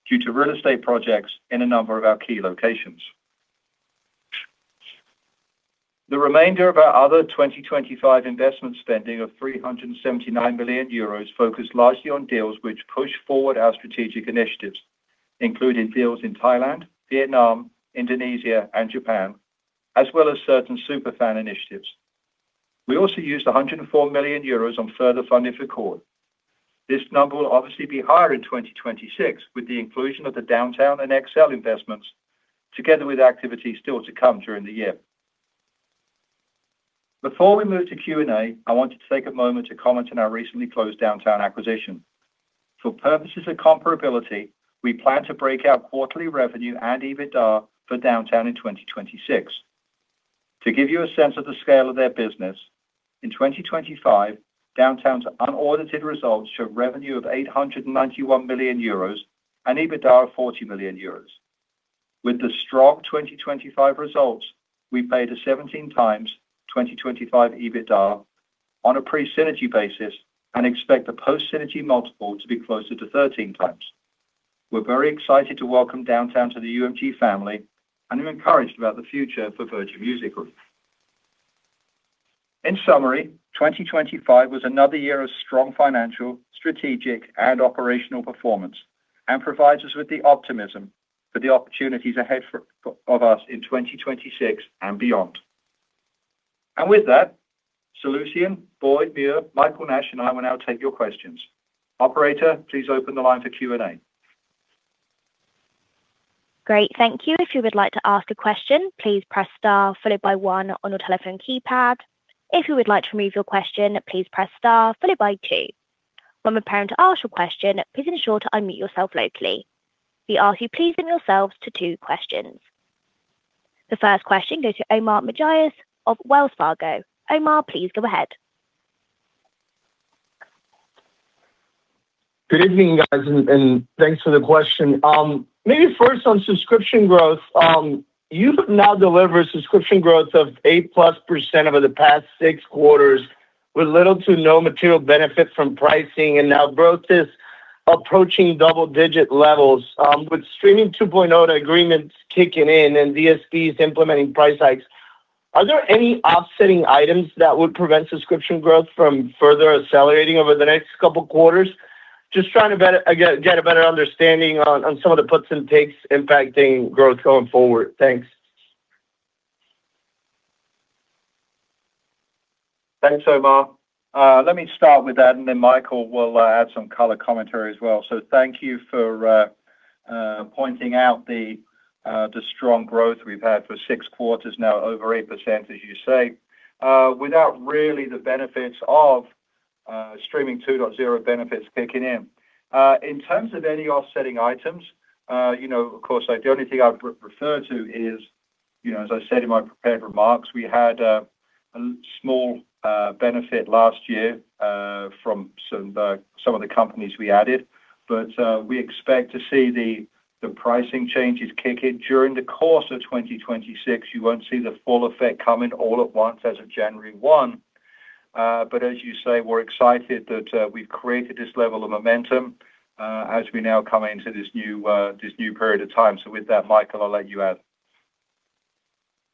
D: due to real estate projects in a number of our key locations. The remainder of our other 2025 investment spending of 379 million euros focused largely on deals which push forward our strategic initiatives, including deals in Thailand, Vietnam, Indonesia, and Japan, as well as certain superfan initiatives. We also used 104 million euros on further funding for Chord. This number will obviously be higher in 2026, with the inclusion of the Downtown and Excel investments, together with activities still to come during the year. Before we move to Q&A, I wanted to take a moment to comment on our recently closed Downtown acquisition. For purposes of comparability, we plan to break out quarterly revenue and EBITDA for Downtown in 2026. To give you a sense of the scale of their business, in 2025, Downtown's unaudited results showed revenue of 891 million euros and EBITDA of 40 million euros. With the strong 2025 results, we paid a 17x 2025 EBITDA on a pre-synergy basis and expect the post-synergy multiple to be closer to 13x. We're very excited to welcome Downtown to the UMG family and are encouraged about the future for Virgin Music Group. In summary, 2025 was another year of strong financial, strategic, and operational performance and provides us with the optimism for the opportunities ahead for us in 2026 and beyond. With that, Sir Lucian, Boyd Muir, Michael Nash, and I will now take your questions. Operator, please open the line for Q&A.
A: Great. Thank you. If you would like to ask a question, please press star followed by one on your telephone keypad. If you would like to remove your question, please press star followed by two. When preparing to ask your question, please ensure to unmute yourself locally. We ask you please limit yourselves to two questions. The first question goes to Omar Mejias of Wells Fargo. Omar, please go ahead.
E: Good evening, guys, and thanks for the question. Maybe first on subscription growth. You've now delivered subscription growth of 8%+ over the past six quarters with little to no material benefit from pricing and now growth is approaching double-digit levels. With Streaming 2.0 agreements kicking in and DSPs implementing price hikes, are there any offsetting items that would prevent subscription growth from further accelerating over the next couple quarters? Just trying to get a better understanding on some of the puts and takes impacting growth going forward. Thanks.
D: Thanks, Omar. Let me start with that. Michael will add some color commentary as well. Thank you for pointing out the strong growth we've had for six quarters now, over 8%, as you say, without really the benefits of Streaming 2.0 benefits kicking in. In terms of any offsetting items, you know, of course, the only thing I would refer to is, you know, as I said in my prepared remarks, we had a small benefit last year from some of the companies we added. We expect to see the pricing changes kick in during the course of 2026. You won't see the full effect coming all at once as of January 1. As you say, we're excited that we've created this level of momentum as we now come into this new, this new period of time. With that, Michael, I'll let you add.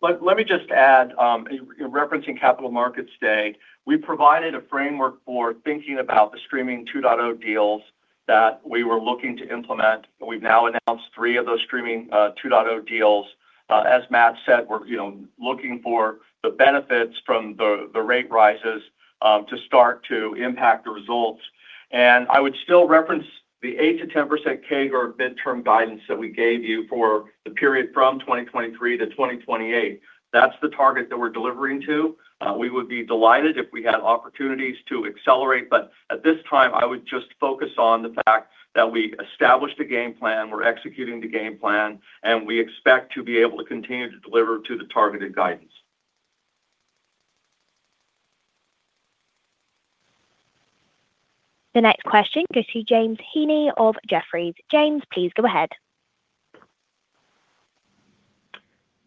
C: Let me just add, in referencing Capital Markets Day, we provided a framework for thinking about the Streaming 2.0 deals that we were looking to implement. We've now announced 3 of those Streaming 2.0 deals. As Matt said, we're, you know, looking for the benefits from the rate rises to start to impact the results. I would still reference the 8%-10% CAGR midterm guidance that we gave you for the period from 2023 to 2028. That's the target that we're delivering to. We would be delighted if we had opportunities to accelerate, at this time, I would just focus on the fact that we established a game plan. We're executing the game plan. We expect to be able to continue to deliver to the targeted guidance.
A: The next question goes to James Heaney of Jefferies. James, please go ahead.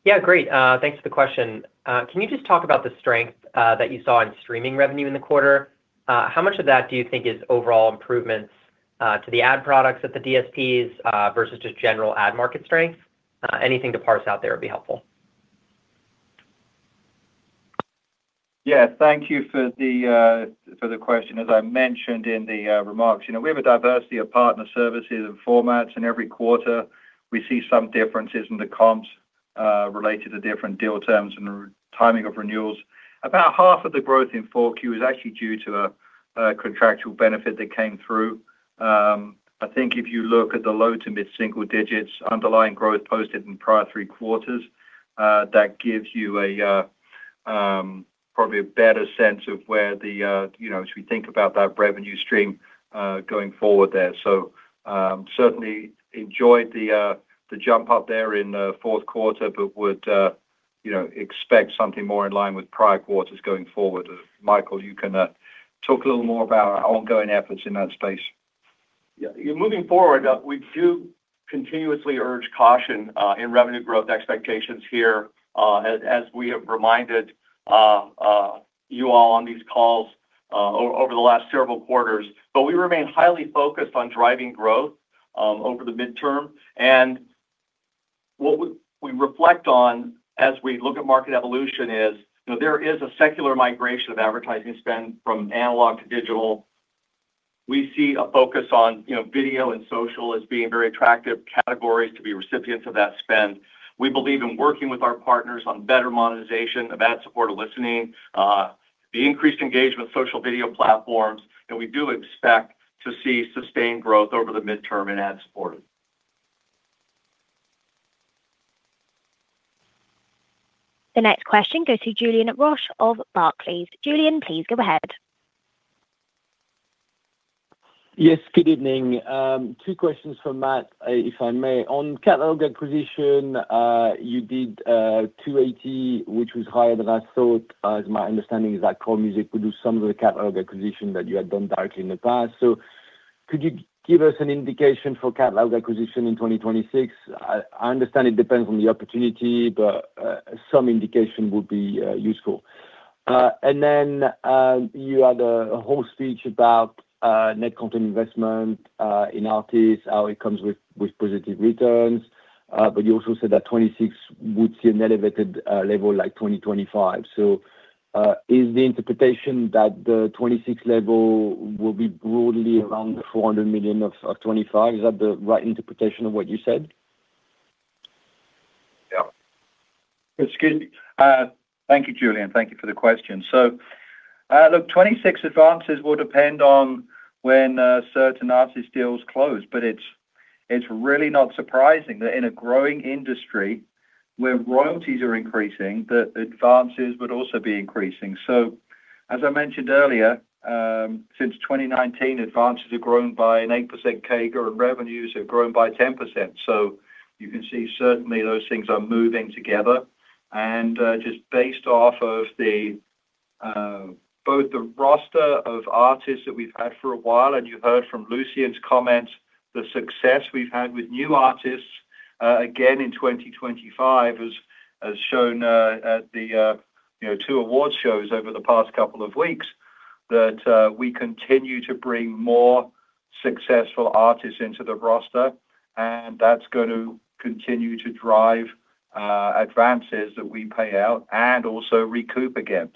F: Yeah, great. Thanks for the question. Can you just talk about the strength that you saw in streaming revenue in the quarter? How much of that do you think is overall improvements to the ad products at the DSPs versus just general ad market strength? Anything to parse out there would be helpful.
D: Thank you for the question. As I mentioned in the remarks, you know, we have a diversity of partner services and formats, and every quarter, we see some differences in the comps related to different deal terms and timing of renewals. About half of the growth in 4Q is actually due to a contractual benefit that came through. I think if you look at the low to mid-single digits underlying growth posted in prior three quarters, that gives you a probably a better sense of where the, you know, as we think about that revenue stream going forward there. Certainly enjoyed the jump up there in 4th quarter but would, you know, expect something more in line with prior quarters going forward. Michael, you can talk a little more about our ongoing efforts in that space.
C: Moving forward, we do continuously urge caution in revenue growth expectations here, as we have reminded you all on these calls over the last several quarters. We remain highly focused on driving growth over the midterm. What we reflect on as we look at market evolution is, you know, there is a secular migration of advertising spend from analog to digital. We see a focus on, you know, video and social as being very attractive categories to be recipients of that spend. We believe in working with our partners on better monetization of ad-supported listening, the increased engagement with social video platforms, we do expect to see sustained growth over the midterm in ad supported.
A: The next question goes to Julien Roch of Barclays. Julien, please go ahead.
G: Yes, good evening. Two questions from Matt, if I may. On catalog acquisition, you did 280 million, which was higher than I thought. As my understanding is that Chord Music would do some of the catalog acquisition that you had done directly in the past. Could you give us an indication for catalog acquisition in 2026? I understand it depends on the opportunity, but some indication would be useful. Then, you had a whole speech about net content investment in artists, how it comes with positive returns. You also said that 2026 would see an elevated level, like 2025. Is the interpretation that the 2026 level will be broadly around the 400 million of 2025? Is that the right interpretation of what you said?
C: Yeah.
D: It's good. Thank you, Julien. Thank you for the question. Look, 2026 advances will depend on when certain artist deals close, but it's really not surprising that in a growing industry where royalties are increasing, that advances would also be increasing. As I mentioned earlier, since 2019, advances have grown by an 8% CAGR, and revenues have grown by 10%. You can see certainly those things are moving together. Just based off of the both the roster of artists that we've had for a while, you heard from Lucian's comments, the success we've had with new artists, again in 2025 as shown at the you know, two award shows over the past couple of weeks, that we continue to bring more successful artists into the roster, and that's gonna continue to drive advances that we pay out and also recoup again.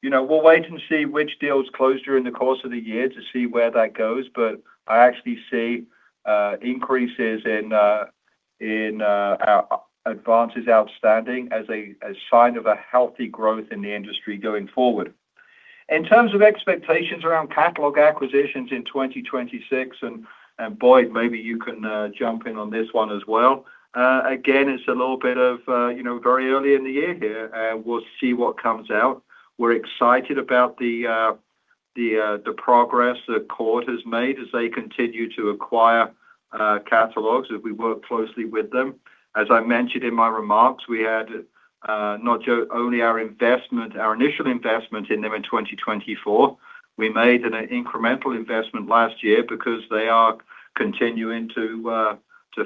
D: You know, we'll wait and see which deals close during the course of the year to see where that goes. I actually see increases in our advances outstanding as a sign of a healthy growth in the industry going forward. In terms of expectations around catalog acquisitions in 2026, and Boyd, maybe you can jump in on this one as well. Again, it's a little bit of, you know, very early in the year here. We'll see what comes out. We're excited about the progress that Chord has made as they continue to acquire catalogs as we work closely with them. As I mentioned in my remarks, we had not only our investment, our initial investment in them in 2024, we made an incremental investment last year because they are continuing to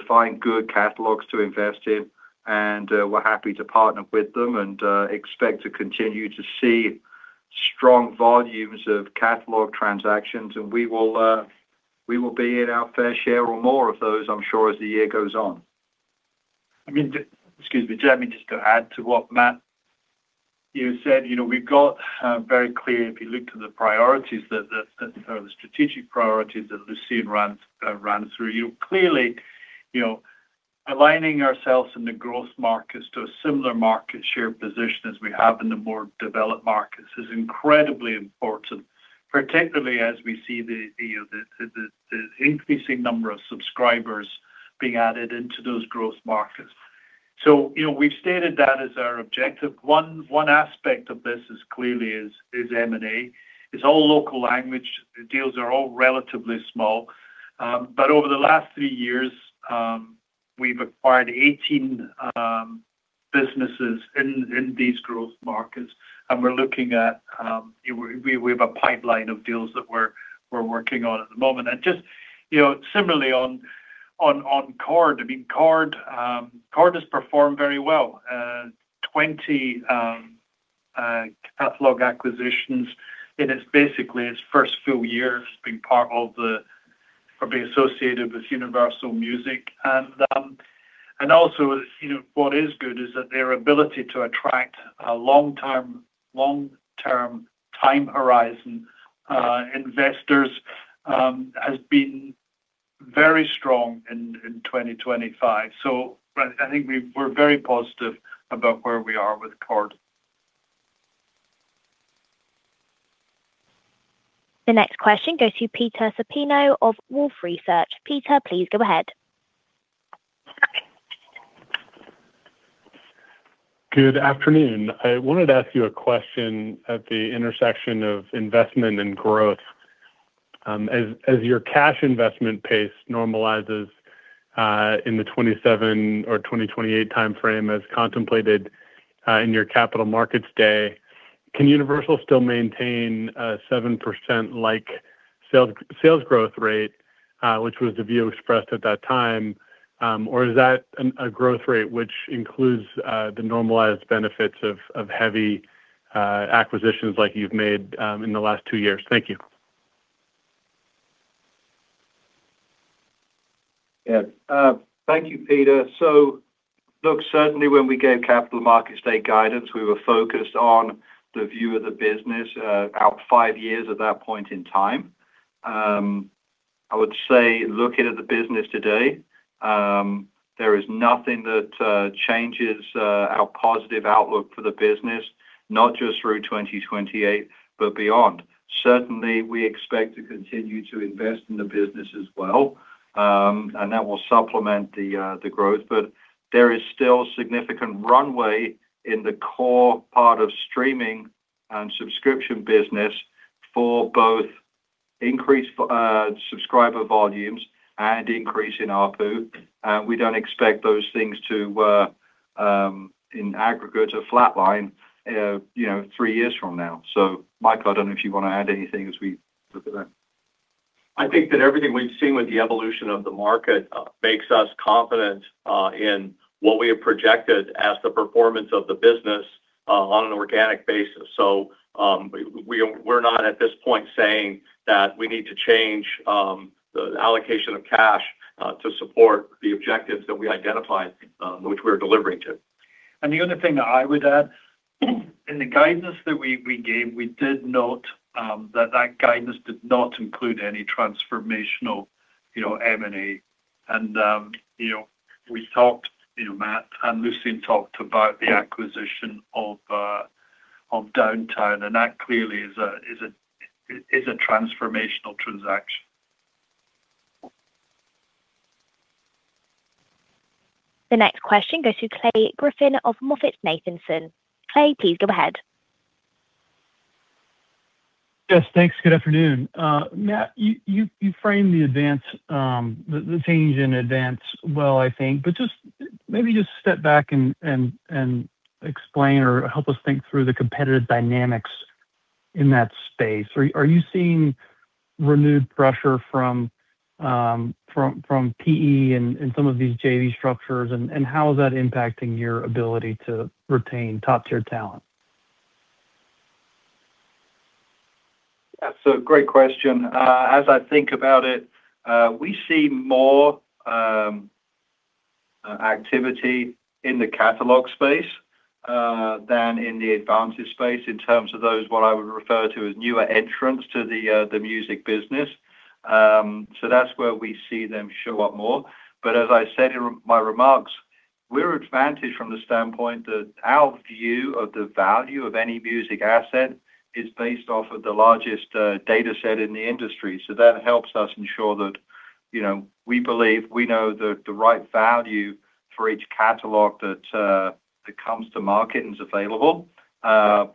D: find good catalogs to invest in, and we're happy to partner with them and expect to continue to see strong volumes of catalog transactions. We will be at our fair share or more of those, I'm sure, as the year goes on.
H: I mean, Excuse me, Julien, just to add to what Matt, you said. You know, we've got very clear if you look to the priorities that are the strategic priorities that Lucian ran through. Clearly, you know, aligning ourselves in the growth markets to a similar market share position as we have in the more developed markets is incredibly important, particularly as we see the increasing number of subscribers being added into those growth markets. You know, we've stated that as our objective. One aspect of this is clearly M&A. It's all local language. The deals are all relatively small. Over the last three years, we've acquired 18 businesses in these growth markets, and we have a pipeline of deals that we're working on at the moment. You know, similarly on Chord. I mean, Chord has performed very well. 20 catalog acquisitions in its basically its first full year being part of or being associated with Universal Music. Also, you know, what is good is that their ability to attract a long-term time horizon investors has been very strong in 2025. I think we're very positive about where we are with Chord.
A: The next question goes to Peter Supino of Wolfe Research. Peter, please go ahead.
I: Good afternoon. I wanted to ask you a question at the intersection of investment and growth. As your cash investment pace normalizes in the 2027 or 2028 timeframe as contemplated in your Capital Markets Day, can Universal still maintain a 7% like sales growth rate which was the view expressed at that time? Is that a growth rate which includes the normalized benefits of heavy acquisitions like you've made in the last two years? Thank you.
D: Yes. Thank you, Peter. Look, certainly when we gave Capital Markets Day guidance, we were focused on the view of the business, out five years at that point in time. I would say looking at the business today, there is nothing that changes our positive outlook for the business, not just through 2028, but beyond. Certainly, we expect to continue to invest in the business as well, and that will supplement the growth. There is still significant runway in the core part of streaming and subscription business for both increased subscriber volumes and increase in ARPU. We don't expect those things to in aggregate or flatline, you know, three years from now. Mike, I don't know if you wanna add anything as we look at that.
C: I think that everything we've seen with the evolution of the market, makes us confident in what we have projected as the performance of the business on an organic basis. We're not at this point saying that we need to change the allocation of cash to support the objectives that we identified, which we're delivering to.
H: The other thing that I would add, in the guidance that we gave, we did note that that guidance did not include any transformational, you know, M&A. You know, we talked, you know, Matt and Lucian talked about the acquisition of Downtown, and that clearly is a transformational transaction.
A: The next question goes to Clay Griffin of MoffettNathanson. Clay, please go ahead.
J: Thanks. Good afternoon. Matt, you framed the advance, the change in advance well, I think, but just maybe just step back and explain or help us think through the competitive dynamics in that space. Are you seeing renewed pressure from PE and some of these JV structures, and how is that impacting your ability to retain top-tier talent?
D: That's a great question. As I think about it, we see more activity in the catalog space than in the advances space in terms of those, what I would refer to as newer entrants to the music business. That's where we see them show up more. As I said in my remarks, we're advantaged from the standpoint that our view of the value of any music asset is based off of the largest dataset in the industry. That helps us ensure that you know, we believe we know the right value for each catalog that comes to market and is available.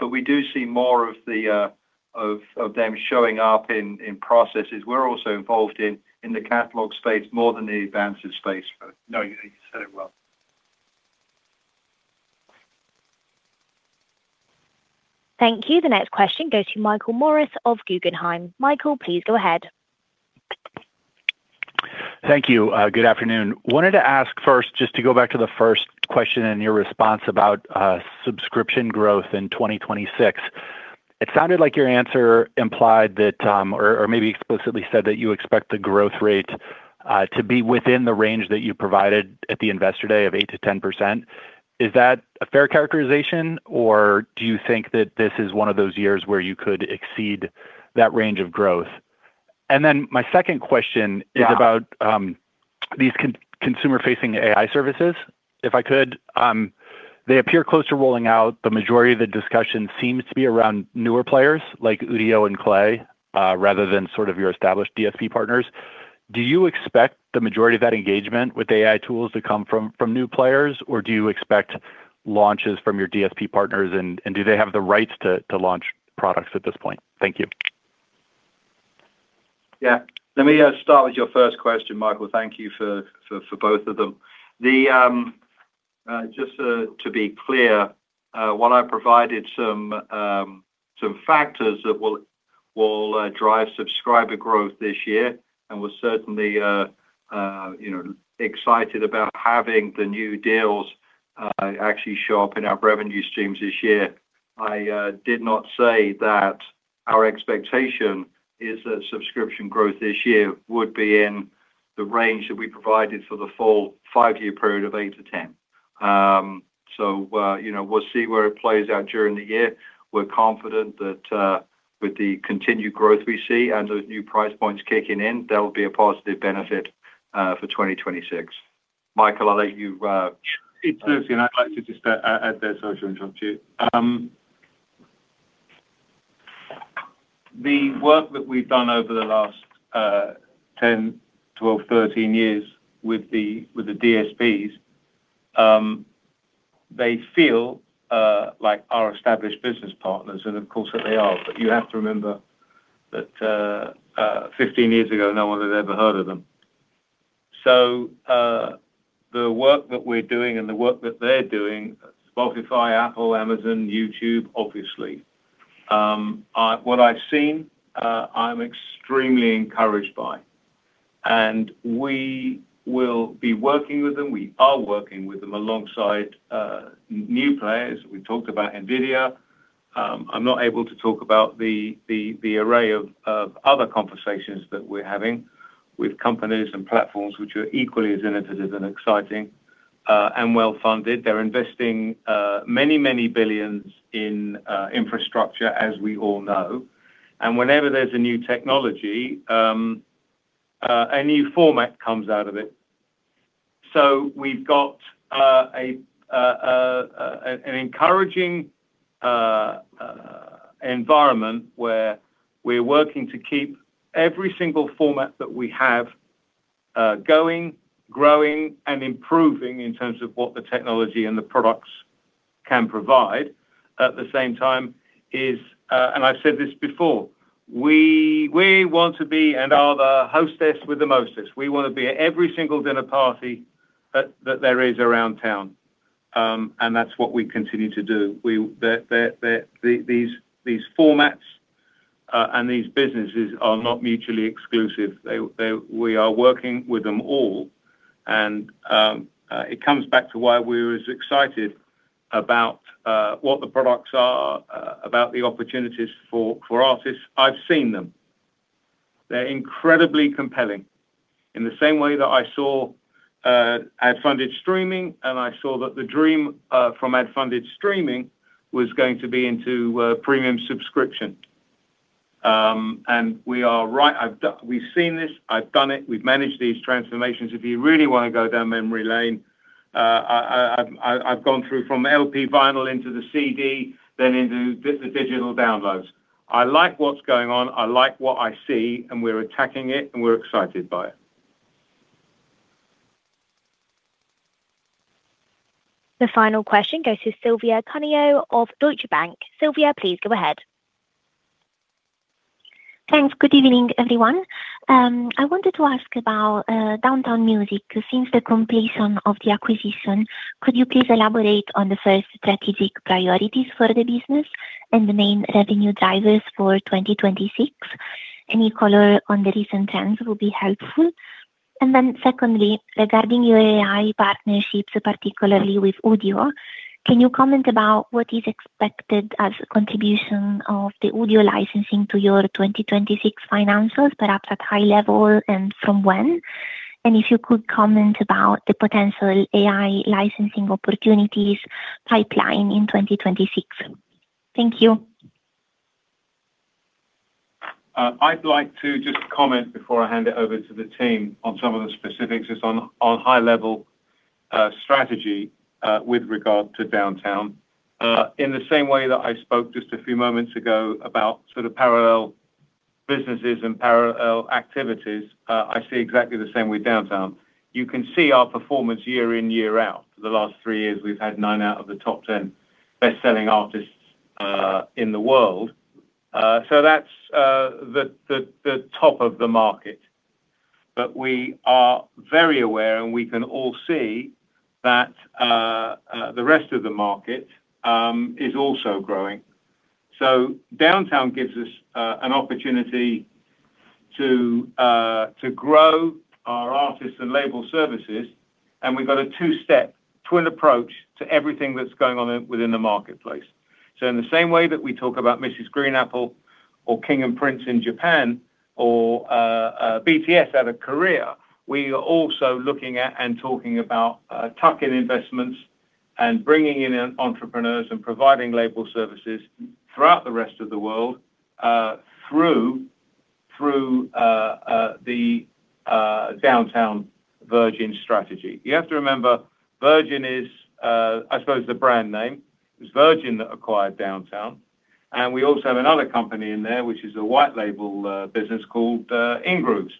D: We do see more of them showing up in processes. We're also involved in the catalog space more than the advances space.
J: No, you said it well.
A: Thank you. The next question goes to Michael Morris of Guggenheim. Michael, please go ahead.
K: Thank you. good afternoon. Wanted to ask first, just to go back to the first question and your response about subscription growth in 2026. It sounded like your answer implied that, or maybe explicitly said that you expect the growth rate to be within the range that you provided at the Investor Day of 8%-10%. Is that a fair characterization, or do you think that this is one of those years where you could exceed that range of growth? My second question.
D: Yeah.
K: is about these consumer-facing AI services, if I could. They appear close to rolling out. The majority of the discussion seems to be around newer players like Udio and KLAY, rather than sort of your established DSP partners. Do you expect the majority of that engagement with AI tools to come from new players, or do you expect launches from your DSP partners, and do they have the rights to launch products at this point? Thank you.
D: Yeah. Let me start with your first question, Michael. Thank you for both of them. Just to be clear, while I provided some factors that will drive subscriber growth this year and was certainly, you know, excited about having the new deals actually show up in our revenue streams this year. I did not say that our expectation is that subscription growth this year would be in the range that we provided for the full five-year period of 8%-10%. So, you know, we'll see where it plays out during the year. We're confident that with the continued growth we see and those new price points kicking in, that will be a positive benefit for 2026. Michael, I'll let you.
B: It's Lucy. I'd like to just add there, sorry to interrupt you. The work that we've done over the last 10, 12, 1three years with the DSPs, they feel like our established business partners and of course that they are. You have to remember that 15 years ago, no one had ever heard of them. The work that we're doing and the work that they're doing, Spotify, Apple, Amazon, YouTube, obviously, what I've seen, I'm extremely encouraged by. We will be working with them. We are working with them alongside new players. We talked about NVIDIA. I'm not able to talk about the array of other conversations that we're having with companies and platforms which are equally as innovative and exciting and well-funded. They're investing many, many billion in infrastructure, as we all know. Whenever there's a new technology, a new format comes out of it. We've got an encouraging environment where we're working to keep every single format that we have going, growing and improving in terms of what the technology and the products can provide. At the same time is, and I've said this before, we want to be and are the hostess with the mostest. We wanna be at every single dinner party that there is around town, that's what we continue to do. These formats and these businesses are not mutually exclusive. We are working with them all. It comes back to why we're as excited about what the products are, about the opportunities for artists. I've seen them. They're incredibly compelling. In the same way that I saw ad-funded streaming, and I saw that the dream from ad-funded streaming was going to be into premium subscription. We are right. We've seen this. I've done it. We've managed these transformations. If you really wanna go down memory lane, I've gone through from LP vinyl into the CD, then into digital downloads. I like what's going on, I like what I see, and we're attacking it, and we're excited by it.
A: The final question goes to Silvia Cuneo of Deutsche Bank. Silvia, please go ahead.
L: Thanks. Good evening, everyone. I wanted to ask about Downtown Music. Since the completion of the acquisition, could you please elaborate on the first strategic priorities for the business and the main revenue drivers for 2026? Any color on the recent trends will be helpful. Secondly, regarding your AI partnerships, particularly with Udio, can you comment about what is expected as a contribution of the Udio licensing to your 2026 financials, perhaps at high level and from when? If you could comment about the potential AI licensing opportunities pipeline in 2026. Thank you.
B: I'd like to just comment before I hand it over to the team on some of the specifics. Just on high level. Strategy with regard to Downtown, in the same way that I spoke just a few moments ago about sort of parallel businesses and parallel activities, I see exactly the same with Downtown. You can see our performance year in, year out. For the last three years, we've had nine out of the top 10 best-selling artists in the world. That's the top of the market. We are very aware, and we can all see that the rest of the market is also growing. Downtown gives us an opportunity to grow our artists and label services, and we've got a two-step twin approach to everything that's going on within the marketplace. In the same way that we talk about Mrs. GREEN APPLE or King & Prince in Japan or BTS out of Korea, we are also looking at and talking about tuck-in investments and bringing in entrepreneurs and providing label services throughout the rest of the world, through the Downtown Virgin strategy. You have to remember, Virgin is I suppose the brand name. It was Virgin that acquired Downtown, and we also have another company in there, which is a white label business called Ingrooves.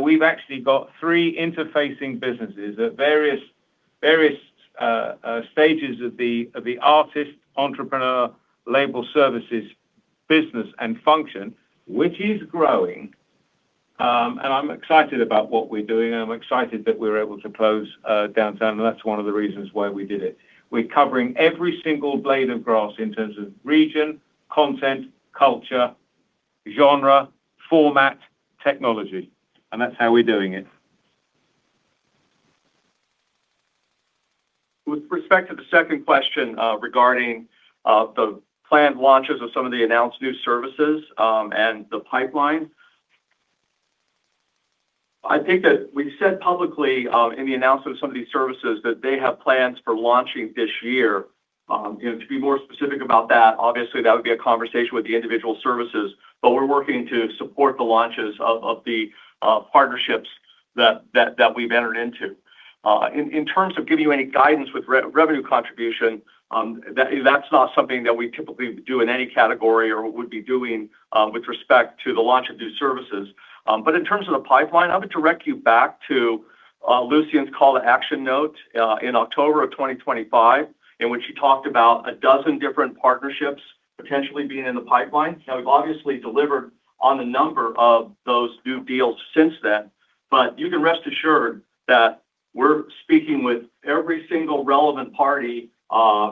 B: We've actually got three interfacing businesses at various stages of the artist, entrepreneur, label services, business and function, which is growing. I'm excited about what we're doing, and I'm excited that we're able to close Downtown, and that's one of the reasons why we did it. We're covering every single blade of grass in terms of region, content, culture, genre, format, technology, and that's how we're doing it.
C: With respect to the second question, regarding the planned launches of some of the announced new services, and the pipeline. I think that we said publicly, in the announcement of some of these services that they have plans for launching this year. You know, to be more specific about that, obviously, that would be a conversation with the individual services, but we're working to support the launches of the partnerships that we've entered into. In terms of giving you any guidance with revenue contribution, that's not something that we typically do in any category or would be doing, with respect to the launch of new services. In terms of the pipeline, I would direct you back to Lucian's call to action note in October of 2025, in which he talked about a dozen different partnerships potentially being in the pipeline. Now, we've obviously delivered on a number of those new deals since then, but you can rest assured that we're speaking with every single relevant party,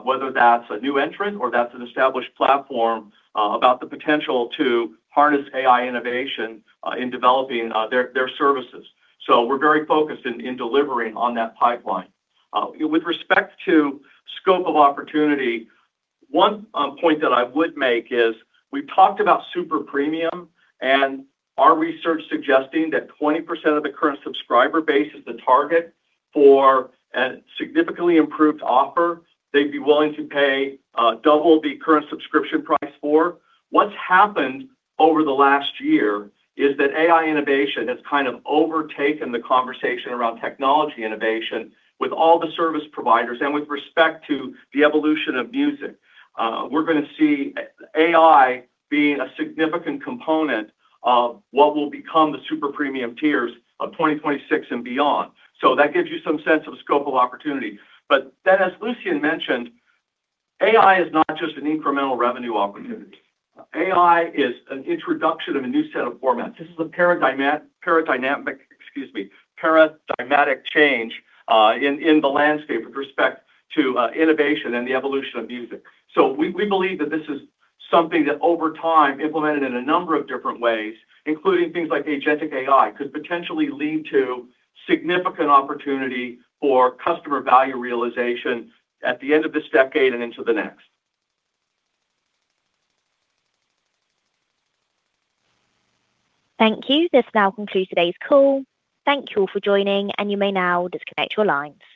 C: whether that's a new entrant or that's an established platform, about the potential to harness AI innovation in developing their services. We're very focused in delivering on that pipeline. With respect to scope of opportunity, one point that I would make is we've talked about super premium and our research suggesting that 20% of the current subscriber base is the target for a significantly improved offer they'd be willing to pay double the current subscription price for. What's happened over the last year is that AI innovation has kind of overtaken the conversation around technology innovation with all the service providers and with respect to the evolution of music. We're gonna see AI being a significant component of what will become the super premium tiers of 2026 and beyond. That gives you some sense of scope of opportunity. As Lucian mentioned, AI is not just an incremental revenue opportunity. AI is an introduction of a new set of formats. This is a paradigmatic change, in the landscape with respect to innovation and the evolution of music. We believe that this is something that over time, implemented in a number of different ways, including things like agentic AI, could potentially lead to significant opportunity for customer value realization at the end of this decade and into the next.
A: Thank you. This now concludes today's call. Thank you all for joining, and you may now disconnect your lines.